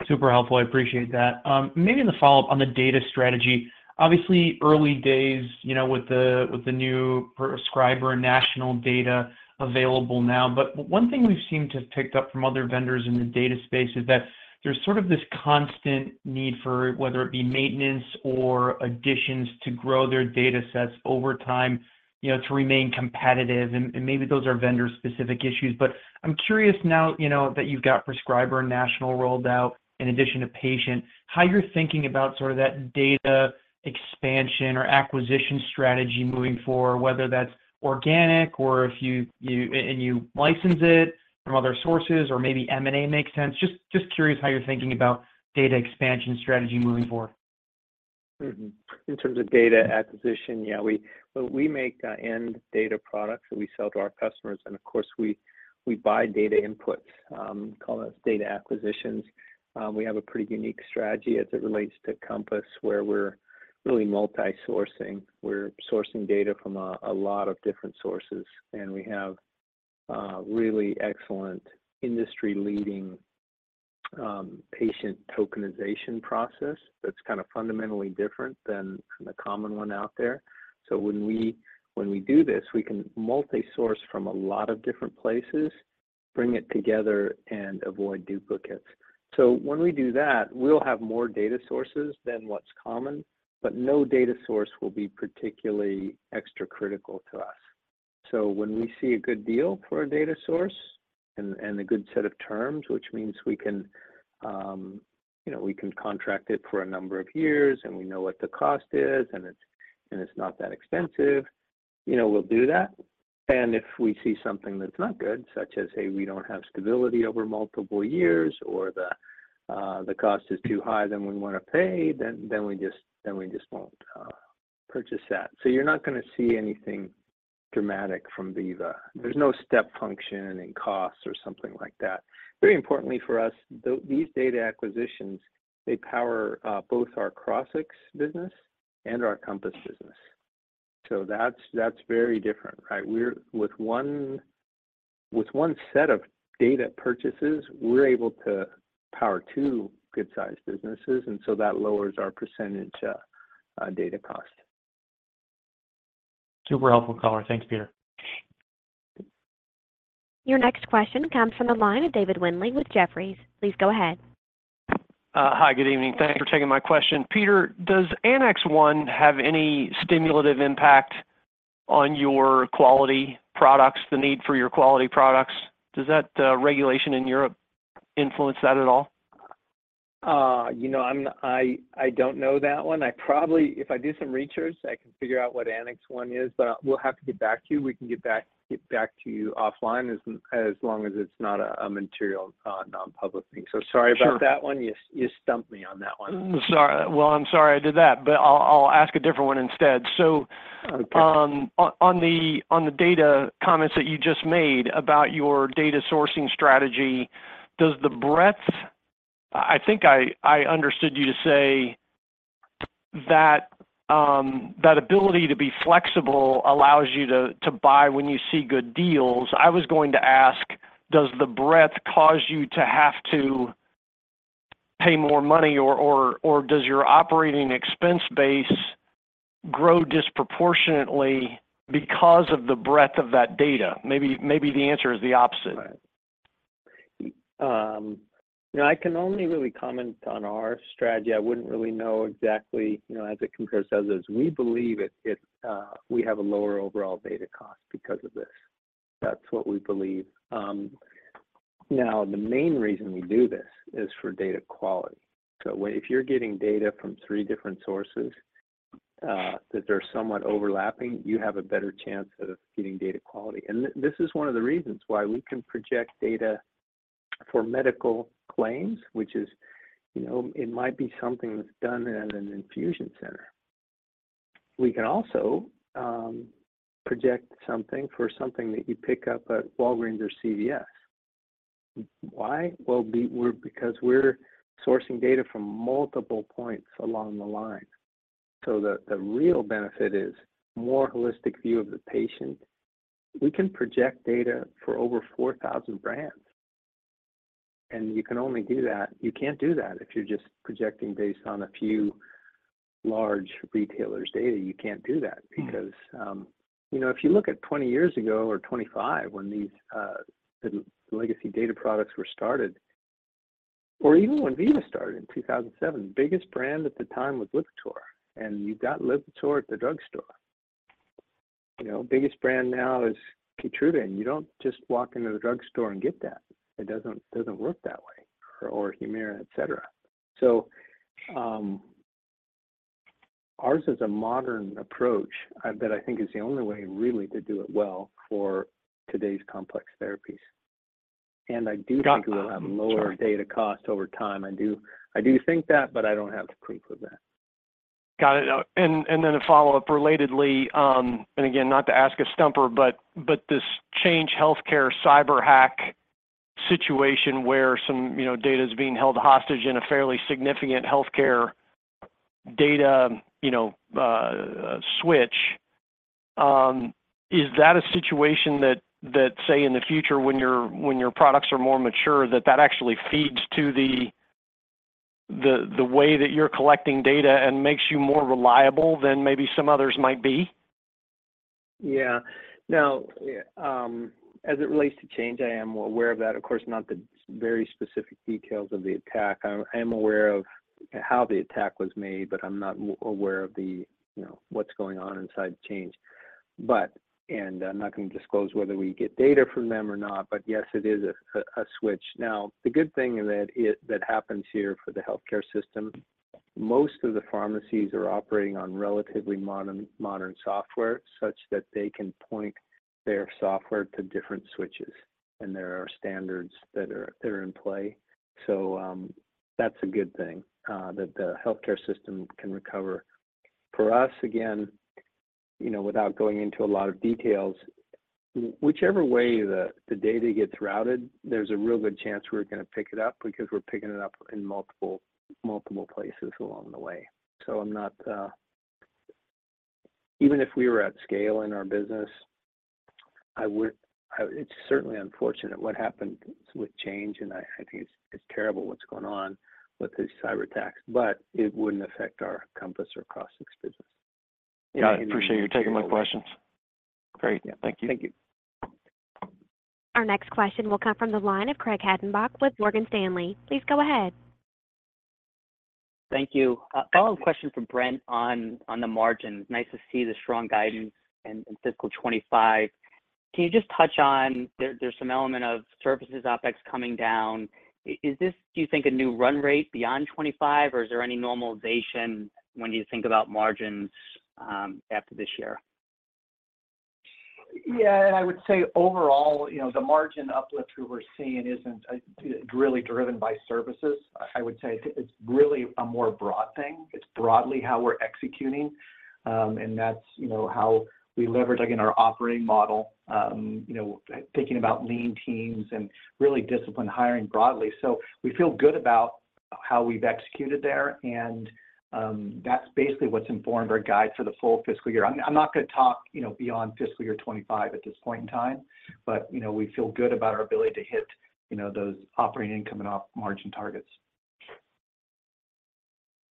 ...Super helpful. I appreciate that. Maybe in the follow-up on the data strategy, obviously, early days, you know, with the new prescriber and national data available now. But one thing we've seemed to have picked up from other vendors in the data space is that there's sort of this constant need for, whether it be maintenance or additions to grow their datasets over time, you know, to remain competitive, and maybe those are vendor-specific issues. But I'm curious now, you know, that you've got prescriber and national rolled out in addition to patient, how you're thinking about sort of that data expansion or acquisition strategy moving forward, whether that's organic or if you license it from other sources or maybe M&A makes sense? Just curious how you're thinking about data expansion strategy moving forward. Mm-hmm. In terms of data acquisition, yeah, we—well, we make end data products that we sell to our customers, and of course, we buy data inputs, call those data acquisitions. We have a pretty unique strategy as it relates to Compass, where we're really multi-sourcing. We're sourcing data from a lot of different sources, and we have really excellent industry-leading patient tokenization process that's kind of fundamentally different than the common one out there. So when we do this, we can multi-source from a lot of different places, bring it together, and avoid duplicates. So when we do that, we'll have more data sources than what's common, but no data source will be particularly extra critical to us. So when we see a good deal for a data source and a good set of terms, which means we can, you know, we can contract it for a number of years, and we know what the cost is, and it's not that expensive, you know, we'll do that. And if we see something that's not good, such as, hey, we don't have stability over multiple years or the cost is too high that we want to pay, then we just won't purchase that. So you're not gonna see anything dramatic from Veeva. There's no step function in costs or something like that. Very importantly for us, though these data acquisitions, they power both our Crossix business and our Compass business. So that's very different, right? We're with one, with one set of data purchases, we're able to power two good-sized businesses, and so that lowers our percentage data cost. Super helpful color. Thanks, Peter. Your next question comes from the line of David Windley with Jefferies. Please go ahead. Hi, good evening. Thank you for taking my question. Peter, does Annex 1 have any stimulative impact on your quality products, the need for your quality products? Does that, regulation in Europe influence that at all? You know, I'm not—I, I don't know that one. I probably... If I do some research, I can figure out what Annex 1 is, but I—we'll have to get back to you. We can get back to you offline as long as it's not a material, non-public thing. Sure. Sorry about that one. You stumped me on that one. Sorry. Well, I'm sorry I did that, but I'll ask a different one instead. Okay. So, on the data comments that you just made about your data sourcing strategy, does the breadth... I think I understood you to say that that ability to be flexible allows you to buy when you see good deals. I was going to ask, does the breadth cause you to have to pay more money, or does your operating expense base grow disproportionately because of the breadth of that data? Maybe the answer is the opposite. Right. You know, I can only really comment on our strategy. I wouldn't really know exactly, you know, as it compares to others. We believe we have a lower overall data cost because of this. That's what we believe. Now, the main reason we do this is for data quality. So if you're getting data from three different sources, that they're somewhat overlapping, you have a better chance of getting data quality. And this is one of the reasons why we can project data for medical claims, which is, you know, it might be something that's done at an infusion center. We can also project something for something that you pick up at Walgreens or CVS. Why? Well, because we're sourcing data from multiple points along the line. So the real benefit is a more holistic view of the patient. We can project data for over 4,000 brands, and you can only do that—you can't do that if you're just projecting based on a few large retailers' data. You can't do that because, you know, if you look at 20 years ago or 25, when these, the legacy data products were started, or even when Veeva started in 2007, the biggest brand at the time was Lipitor, and you got Lipitor at the drugstore. You know, biggest brand now is Keytruda, and you don't just walk into the drugstore and get that. It doesn't work that way, or Humira, et cetera. So, ours is a modern approach, that I think is the only way really to do it well for today's complex therapies. Got it. I do think we'll have lower data cost over time. I do, I do think that, but I don't have the proof of that. Got it. And then a follow-up relatedly, and again, not to ask a stumper, but this Change Healthcare cyber hack situation where some, you know, data is being held hostage in a fairly significant healthcare data, you know, switch, is that a situation that, say, in the future, when your products are more mature, that that actually feeds to the way that you're collecting data and makes you more reliable than maybe some others might be? Yeah. Now, as it relates to Change, I am well aware of that. Of course, not the very specific details of the attack. I am aware of how the attack was made, but I'm not aware of the, you know, what's going on inside Change. But and I'm not going to disclose whether we get data from them or not, but yes, it is a switch. Now, the good thing is that that happens here for the healthcare system, most of the pharmacies are operating on relatively modern software, such that they can point their software to different switches, and there are standards that are in play. So, that's a good thing, that the healthcare system can recover. For us, again, you know, without going into a lot of details, whichever way the data gets routed, there's a real good chance we're going to pick it up because we're picking it up in multiple places along the way. So I'm not even if we were at scale in our business, it's certainly unfortunate what happened with Change, and I think it's terrible what's going on with these cyberattacks, but it wouldn't affect our Compass or Crossix business. Got it. I appreciate you taking my questions. Great. Thank you. Thank you. Our next question will come from the line of Craig Hettenbach with Morgan Stanley. Please go ahead. Thank you. A follow-up question from Brent on the margins. Nice to see the strong guidance in fiscal 25. Can you just touch on, there's some element of services OpEx coming down. Is this, do you think, a new run rate beyond 25, or is there any normalization when you think about margins after this year? Yeah, I would say overall, you know, the margin uplift we're seeing isn't really driven by services. I would say it's really a more broad thing. It's broadly how we're executing, and that's, you know, how we leverage, again, our operating model, you know, thinking about lean teams and really disciplined hiring broadly. So we feel good about how we've executed there, and that's basically what's informed our guide for the full fiscal year. I'm not going to talk, you know, beyond fiscal year 25 at this point in time, but, you know, we feel good about our ability to hit, you know, those operating income and op margin targets.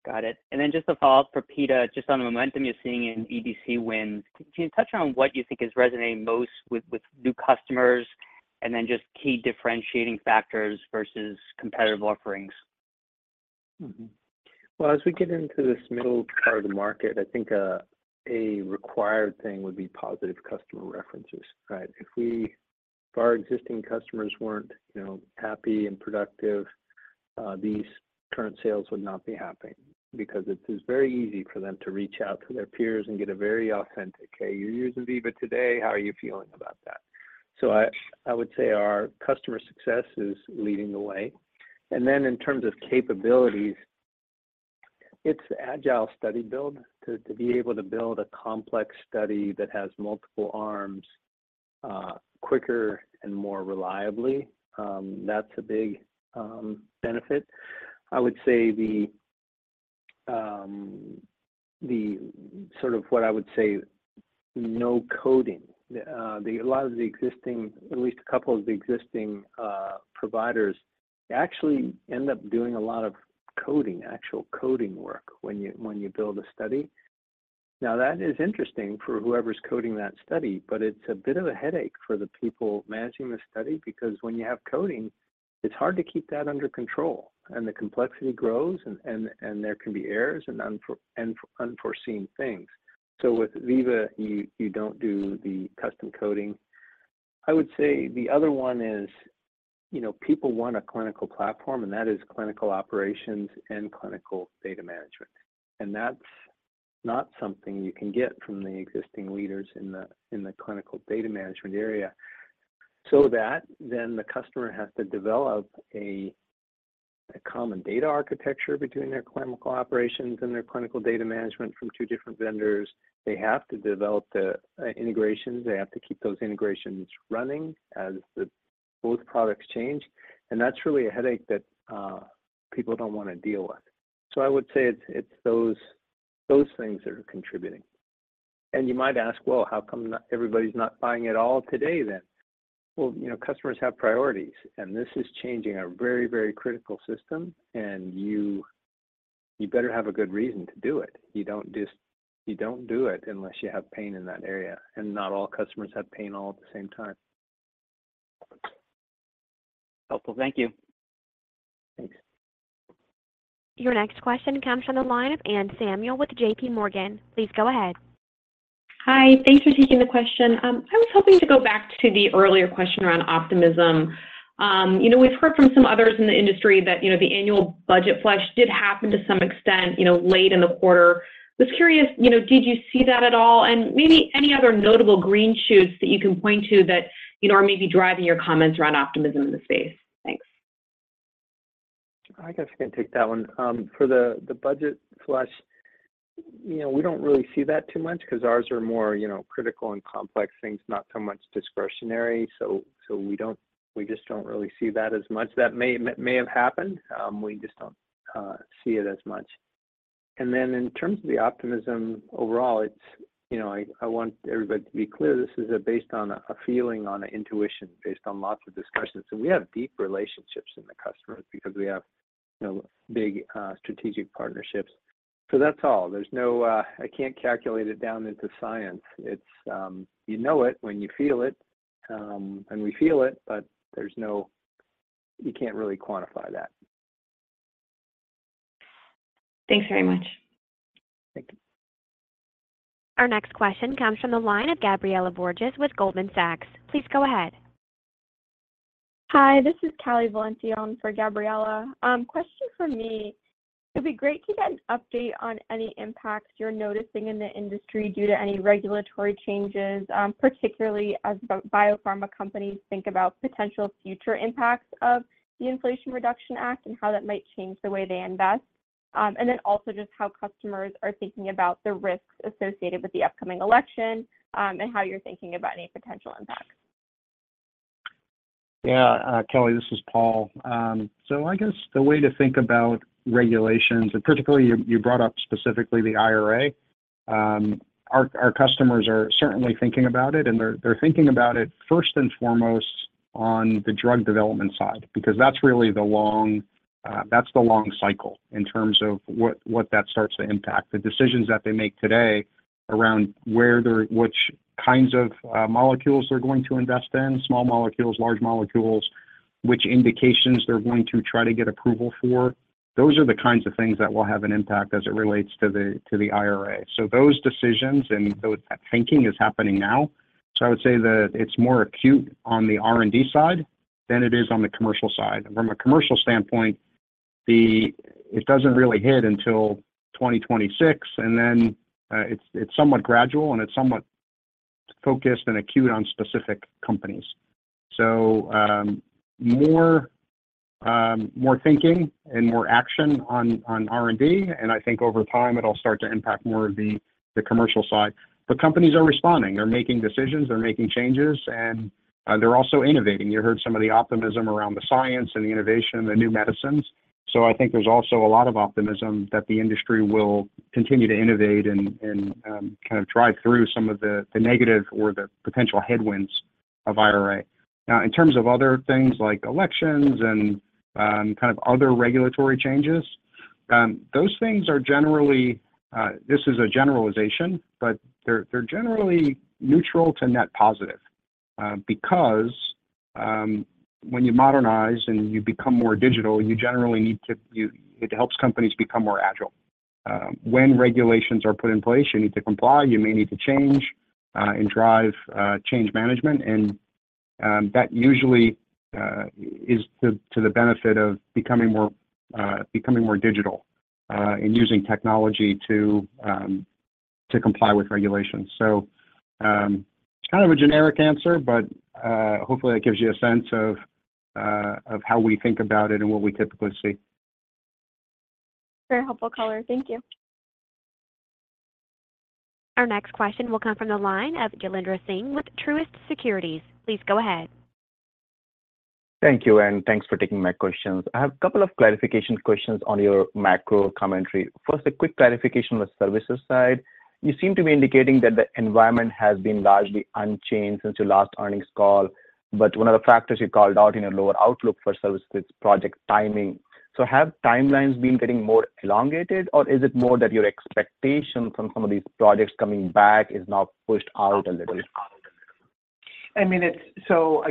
Got it. And then just a follow-up for Peter, just on the momentum you're seeing in EDC wins. Can you touch on what you think is resonating most with new customers, and then just key differentiating factors versus competitive offerings? Mm-hmm. Well, as we get into this middle part of the market, I think a required thing would be positive customer references, right? If we, if our existing customers weren't, you know, happy and productive, these current sales would not be happening because it is very easy for them to reach out to their peers and get a very authentic, "Hey, you're using Veeva today. How are you feeling about that?" So I, I would say our customer success is leading the way. And then in terms of capabilities, it's agile study build. To, to be able to build a complex study that has multiple arms quicker and more reliably, that's a big benefit. I would say the sort of what I would say, no coding. A lot of the existing, at least a couple of the existing, providers actually end up doing a lot of coding, actual coding work, when you, when you build a study. Now, that is interesting for whoever's coding that study, but it's a bit of a headache for the people managing the study, because when you have coding, it's hard to keep that under control, and the complexity grows, and there can be errors and unforeseen things. So with Veeva, you don't do the custom coding. I would say the other one is, you know, people want a clinical platform, and that is clinical operations and clinical data management. That's not something you can get from the existing leaders in the clinical data management area. So, then the customer has to develop a common data architecture between their clinical operations and their clinical data management from two different vendors. They have to develop the integrations. They have to keep those integrations running as the both products change, and that's really a headache that people don't want to deal with. So I would say it's those things that are contributing. And you might ask, "Well, how come everybody's not buying it all today then?" Well, you know, customers have priorities, and this is changing a very, very critical system, and you better have a good reason to do it. You don't do it unless you have pain in that area, and not all customers have pain all at the same time. Helpful. Thank you. Thanks. Your next question comes from the line of Anne Samuel with JPMorgan. Please go ahead. Hi, thanks for taking the question. I was hoping to go back to the earlier question around optimism. You know, we've heard from some others in the industry that, you know, the annual budget flush did happen to some extent, you know, late in the quarter. Just curious, you know, did you see that at all? And maybe any other notable green shoots that you can point to that, you know, are maybe driving your comments around optimism in the space. Thanks. I guess I can take that one. For the budget flush. You know, we don't really see that too much because ours are more, you know, critical and complex things, not so much discretionary. So, we just don't really see that as much. That may have happened, we just don't see it as much. And then in terms of the optimism overall, it's, you know, I want everybody to be clear, this is based on a feeling, on an intuition, based on lots of discussions. So we have deep relationships in the customers because we have, you know, big strategic partnerships. So that's all. There's no, I can't calculate it down into science. It's, you know it when you feel it, and we feel it, but there's no, you can't really quantify that. Thanks very much. Thank you. Our next question comes from the line of Gabriela Borges with Goldman Sachs. Please go ahead. Hi, this is Kelly Valancik for Gabriela. Question for me. It'd be great to get an update on any impacts you're noticing in the industry due to any regulatory changes, particularly as biopharma companies think about potential future impacts of the Inflation Reduction Act and how that might change the way they invest. And then also just how customers are thinking about the risks associated with the upcoming election, and how you're thinking about any potential impacts. Yeah, Kelly, this is Paul. So I guess the way to think about regulations, and particularly, you brought up specifically the IRA. Our customers are certainly thinking about it, and they're thinking about it first and foremost on the drug development side, because that's really the long cycle in terms of what that starts to impact. The decisions that they make today around where they're—which kinds of molecules they're going to invest in, small molecules, large molecules, which indications they're going to try to get approval for. Those are the kinds of things that will have an impact as it relates to the IRA. So those decisions and that thinking is happening now. So I would say that it's more acute on the R&D side than it is on the commercial side. From a commercial standpoint, it doesn't really hit until 2026, and then, it's somewhat gradual and it's somewhat focused and acute on specific companies. So, more thinking and more action on R&D, and I think over time, it'll start to impact more of the commercial side. But companies are responding. They're making decisions, they're making changes, and they're also innovating. You heard some of the optimism around the science and the innovation and the new medicines. So I think there's also a lot of optimism that the industry will continue to innovate and kind of drive through some of the negative or the potential headwinds of IRA. Now, in terms of other things like elections and kind of other regulatory changes, those things are generally—this is a generalization, but they're generally neutral to net positive. Because when you modernize and you become more digital, it helps companies become more agile. When regulations are put in place, you need to comply, you may need to change and drive change management, and that usually is to the benefit of becoming more digital and using technology to comply with regulations. So, it's kind of a generic answer, but hopefully, that gives you a sense of how we think about it and what we typically see. Very helpful color. Thank you. Our next question will come from the line of Jailendra Singh with Truist Securities. Please go ahead. Thank you, and thanks for taking my questions. I have a couple of clarification questions on your macro commentary. First, a quick clarification on the services side. You seem to be indicating that the environment has been largely unchanged since your last earnings call, but one of the factors you called out in a lower outlook for services is project timing. So have timelines been getting more elongated, or is it more that your expectation from some of these projects coming back is now pushed out a little? I mean, it's so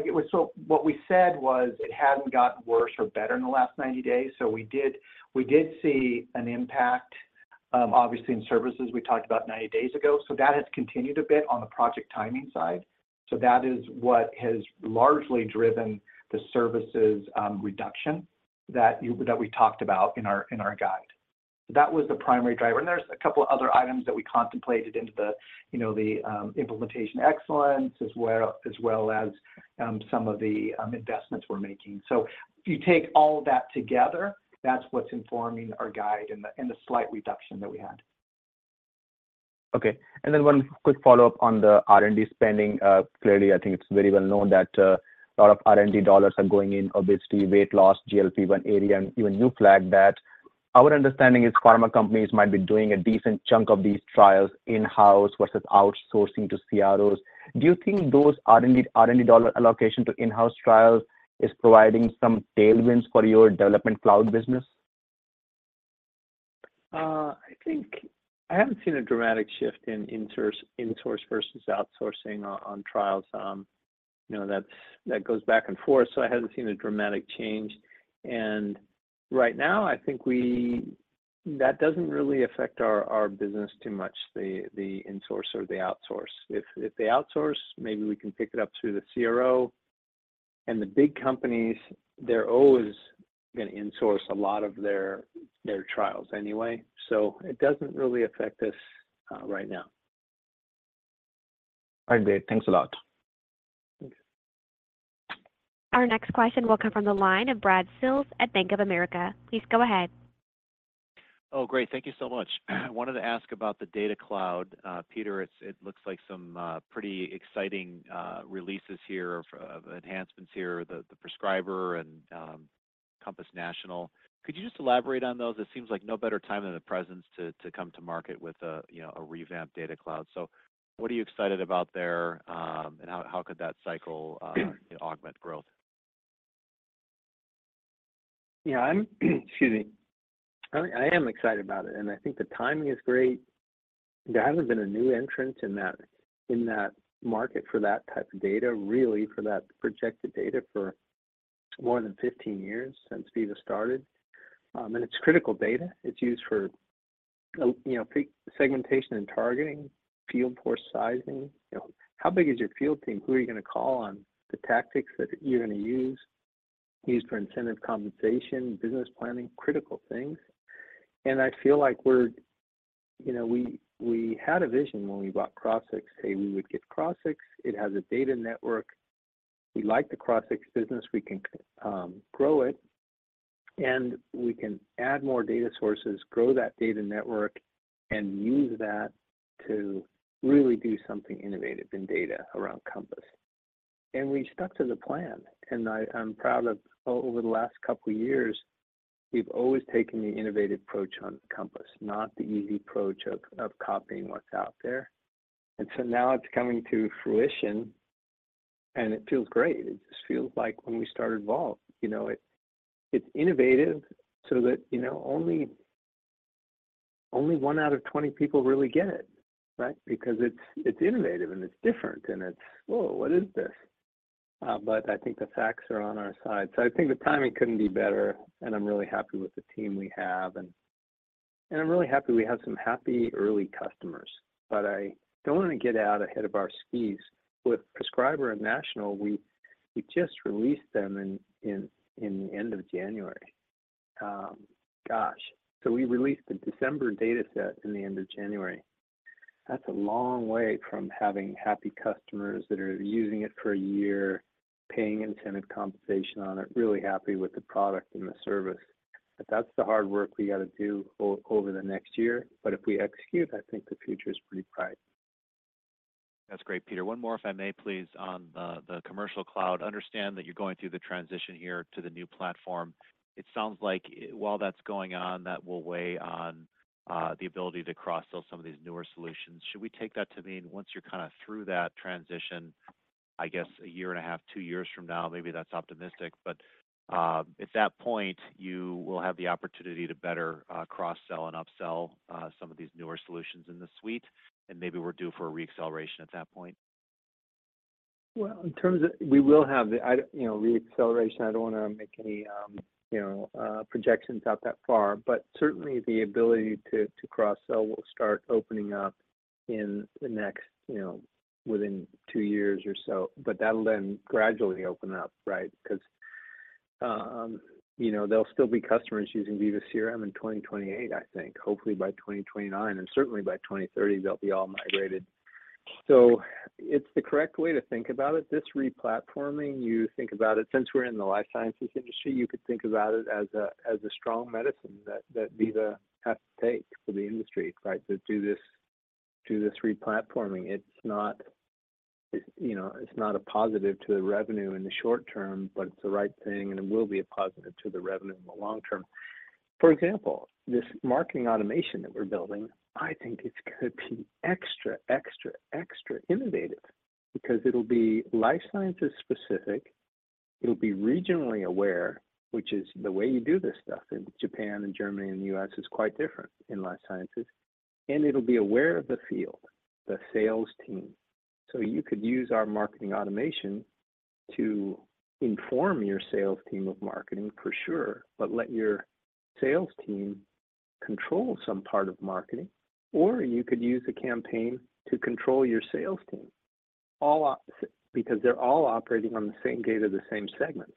what we said was it hadn't gotten worse or better in the last 90 days. So we did see an impact, obviously in services we talked about 90 days ago, so that has continued a bit on the project timing side. So that is what has largely driven the services reduction that we talked about in our guide. That was the primary driver, and there's a couple of other items that we contemplated into the, you know, the implementation excellence, as well as some of the investments we're making. So if you take all that together, that's what's informing our guide and the slight reduction that we had. Okay. And then one quick follow-up on the R&D spending. Clearly, I think it's very well known that, a lot of R&D dollars are going in obesity, weight loss, GLP-1 area, and even you flagged that. Our understanding is pharma companies might be doing a decent chunk of these trials in-house versus outsourcing to CROs. Do you think those R&D, R&D dollar allocation to in-house trials is providing some tailwinds for your Development Cloud business? I think I haven't seen a dramatic shift in insource, insource versus outsourcing on trials. You know, that goes back and forth, so I haven't seen a dramatic change. And right now, I think that doesn't really affect our business too much, the insource or the outsource. If they outsource, maybe we can pick it up through the CRO. And the big companies, they're always gonna insource a lot of their trials anyway, so it doesn't really affect us right now. All right, great. Thanks a lot. ... Our next question will come from the line of Brad Sills at Bank of America. Please go ahead. Oh, great. Thank you so much. I wanted to ask about the Data Cloud. Peter, it looks like some pretty exciting releases here of enhancements here, the Prescriber and Compass National. Could you just elaborate on those? It seems like no better time than the present to come to market with a, you know, a revamped Data Cloud. So what are you excited about there, and how could that cycle augment growth? Yeah, I'm, excuse me. I am excited about it, and I think the timing is great. There hasn't been a new entrant in that market for that type of data, really for that projected data for more than 15 years since Veeva started. And it's critical data. It's used for, you know, peak segmentation and targeting, field force sizing. You know, how big is your field team? Who are you gonna call on? The tactics that you're gonna use, used for incentive compensation, business planning, critical things. And I feel like we're... You know, we had a vision when we bought Crossix. Hey, we would get Crossix. It has a data network. We like the Crossix business. We can grow it, and we can add more data sources, grow that data network, and use that to really do something innovative in data around Compass. And we stuck to the plan, and I'm proud of over the last couple of years, we've always taken the innovative approach on Compass, not the easy approach of copying what's out there. And so now it's coming to fruition, and it feels great. It just feels like when we started Vault. You know, it's innovative so that, you know, only one out of 20 people really get it, right? Because it's innovative, and it's different, and it's, "Whoa, what is this?" But I think the facts are on our side. So I think the timing couldn't be better, and I'm really happy with the team we have, and I'm really happy we have some happy early customers. But I don't want to get out ahead of our skis. With Prescriber and National, we just released them in the end of January. Gosh, so we released the December dataset in the end of January. That's a long way from having happy customers that are using it for a year, paying incentive compensation on it, really happy with the product and the service. But that's the hard work we got to do over the next year. But if we execute, I think the future is pretty bright. That's great, Peter. One more, if I may please, on the Commercial Cloud. Understand that you're going through the transition here to the new platform. It sounds like while that's going on, that will weigh on the ability to cross-sell some of these newer solutions. Should we take that to mean once you're kind of through that transition, I guess 1.5 years, 2 years from now, maybe that's optimistic, but at that point, you will have the opportunity to better cross-sell and upsell some of these newer solutions in the suite, and maybe we're due for a reacceleration at that point? Well, in terms of. We will have the, you know, reacceleration. I don't want to make any, you know, projections out that far, but certainly the ability to cross-sell will start opening up in the next, you know, within 2 years or so. But that'll then gradually open up, right? Because, you know, there'll still be customers using Veeva CRM in 2028, I think. Hopefully by 2029, and certainly by 2030, they'll be all migrated. So it's the correct way to think about it. This replatforming, you think about it, since we're in the life sciences industry, you could think about it as a strong medicine that Veeva has to take for the industry, right? To do this, do this replatforming. It's not, you know, it's not a positive to the revenue in the short term, but it's the right thing, and it will be a positive to the revenue in the long term. For example, this Marketing Automation that we're building, I think it's going to be extra, extra, extra innovative because it'll be life sciences specific, it'll be regionally aware, which is the way you do this stuff in Japan and Germany and the U.S. is quite different in life sciences, and it'll be aware of the field, the sales team. So you could use our Marketing Automation to inform your sales team of marketing, for sure, but let your sales team control some part of marketing, or you could use a campaign to control your sales team, all because they're all operating on the same data, the same segments.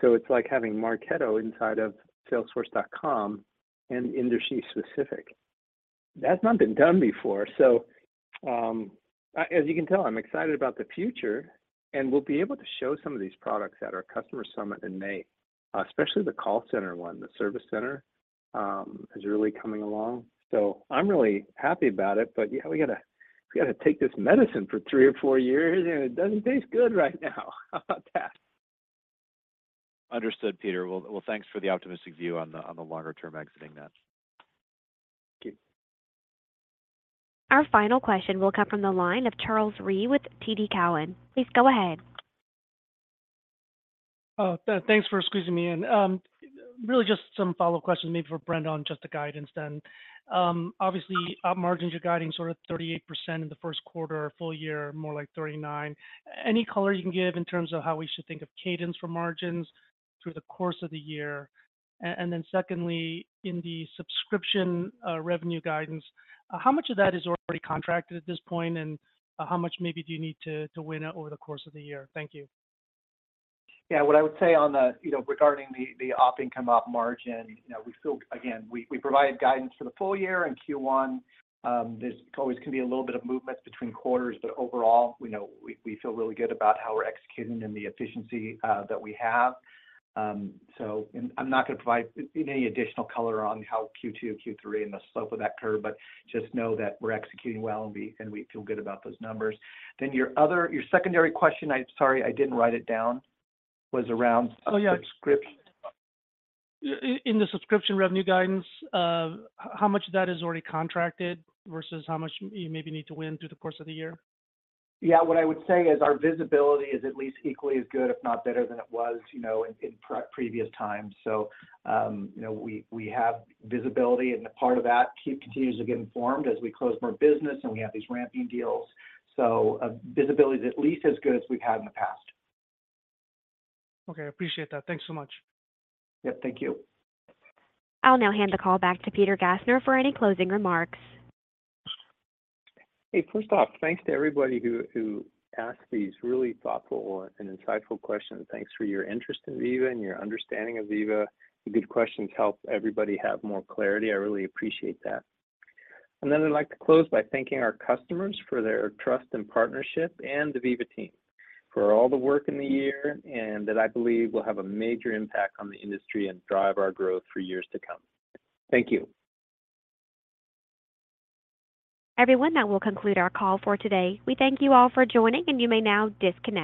So it's like having Marketo inside of Salesforce.com and industry specific. That's not been done before. So, as you can tell, I'm excited about the future, and we'll be able to show some of these products at our customer summit in May, especially the call center one. The Service Center is really coming along. So I'm really happy about it, but, yeah, we got to, we got to take this medicine for three or four years, and it doesn't taste good right now. How about that? Understood, Peter. Well, well, thanks for the optimistic view on the longer term exiting that. Thank you. Our final question will come from the line of Charles Rhyee with TD Cowen. Please go ahead. Oh, thanks for squeezing me in. Really just some follow-up questions, maybe for Brent on just the guidance then. Obviously, margins, you're guiding sort of 38% in the first quarter, full year, more like 39%. Any color you can give in terms of how we should think of cadence for margins through the course of the year? And then secondly, in the subscription revenue guidance, how much of that is already contracted at this point, and how much maybe do you need to win over the course of the year? Thank you. Yeah, what I would say on the, you know, regarding the op income, op margin, you know, we feel, again, we provided guidance for the full year and Q1. There's always can be a little bit of movement between quarters, but overall, we feel really good about how we're executing and the efficiency that we have. So and I'm not gonna provide any additional color on how Q2 or Q3 and the slope of that curve, but just know that we're executing well, and we feel good about those numbers. Then your other-- your secondary question, I'm sorry, I didn't write it down, was around- Oh, yeah subscription. In the subscription revenue guidance, how much of that is already contracted versus how much you maybe need to win through the course of the year? Yeah. What I would say is our visibility is at least equally as good, if not better than it was, you know, in previous times. So, you know, we have visibility, and a part of that continues to get informed as we close more business and we have these ramping deals. So, visibility is at least as good as we've had in the past. Okay, I appreciate that. Thanks so much. Yep, thank you. I'll now hand the call back to Peter Gassner for any closing remarks. Hey, first off, thanks to everybody who asked these really thoughtful and insightful questions. Thanks for your interest in Veeva and your understanding of Veeva. The good questions help everybody have more clarity. I really appreciate that. And then I'd like to close by thanking our customers for their trust and partnership, and the Veeva team for all the work in the year, and that I believe will have a major impact on the industry and drive our growth for years to come. Thank you. Everyone, that will conclude our call for today. We thank you all for joining, and you may now disconnect.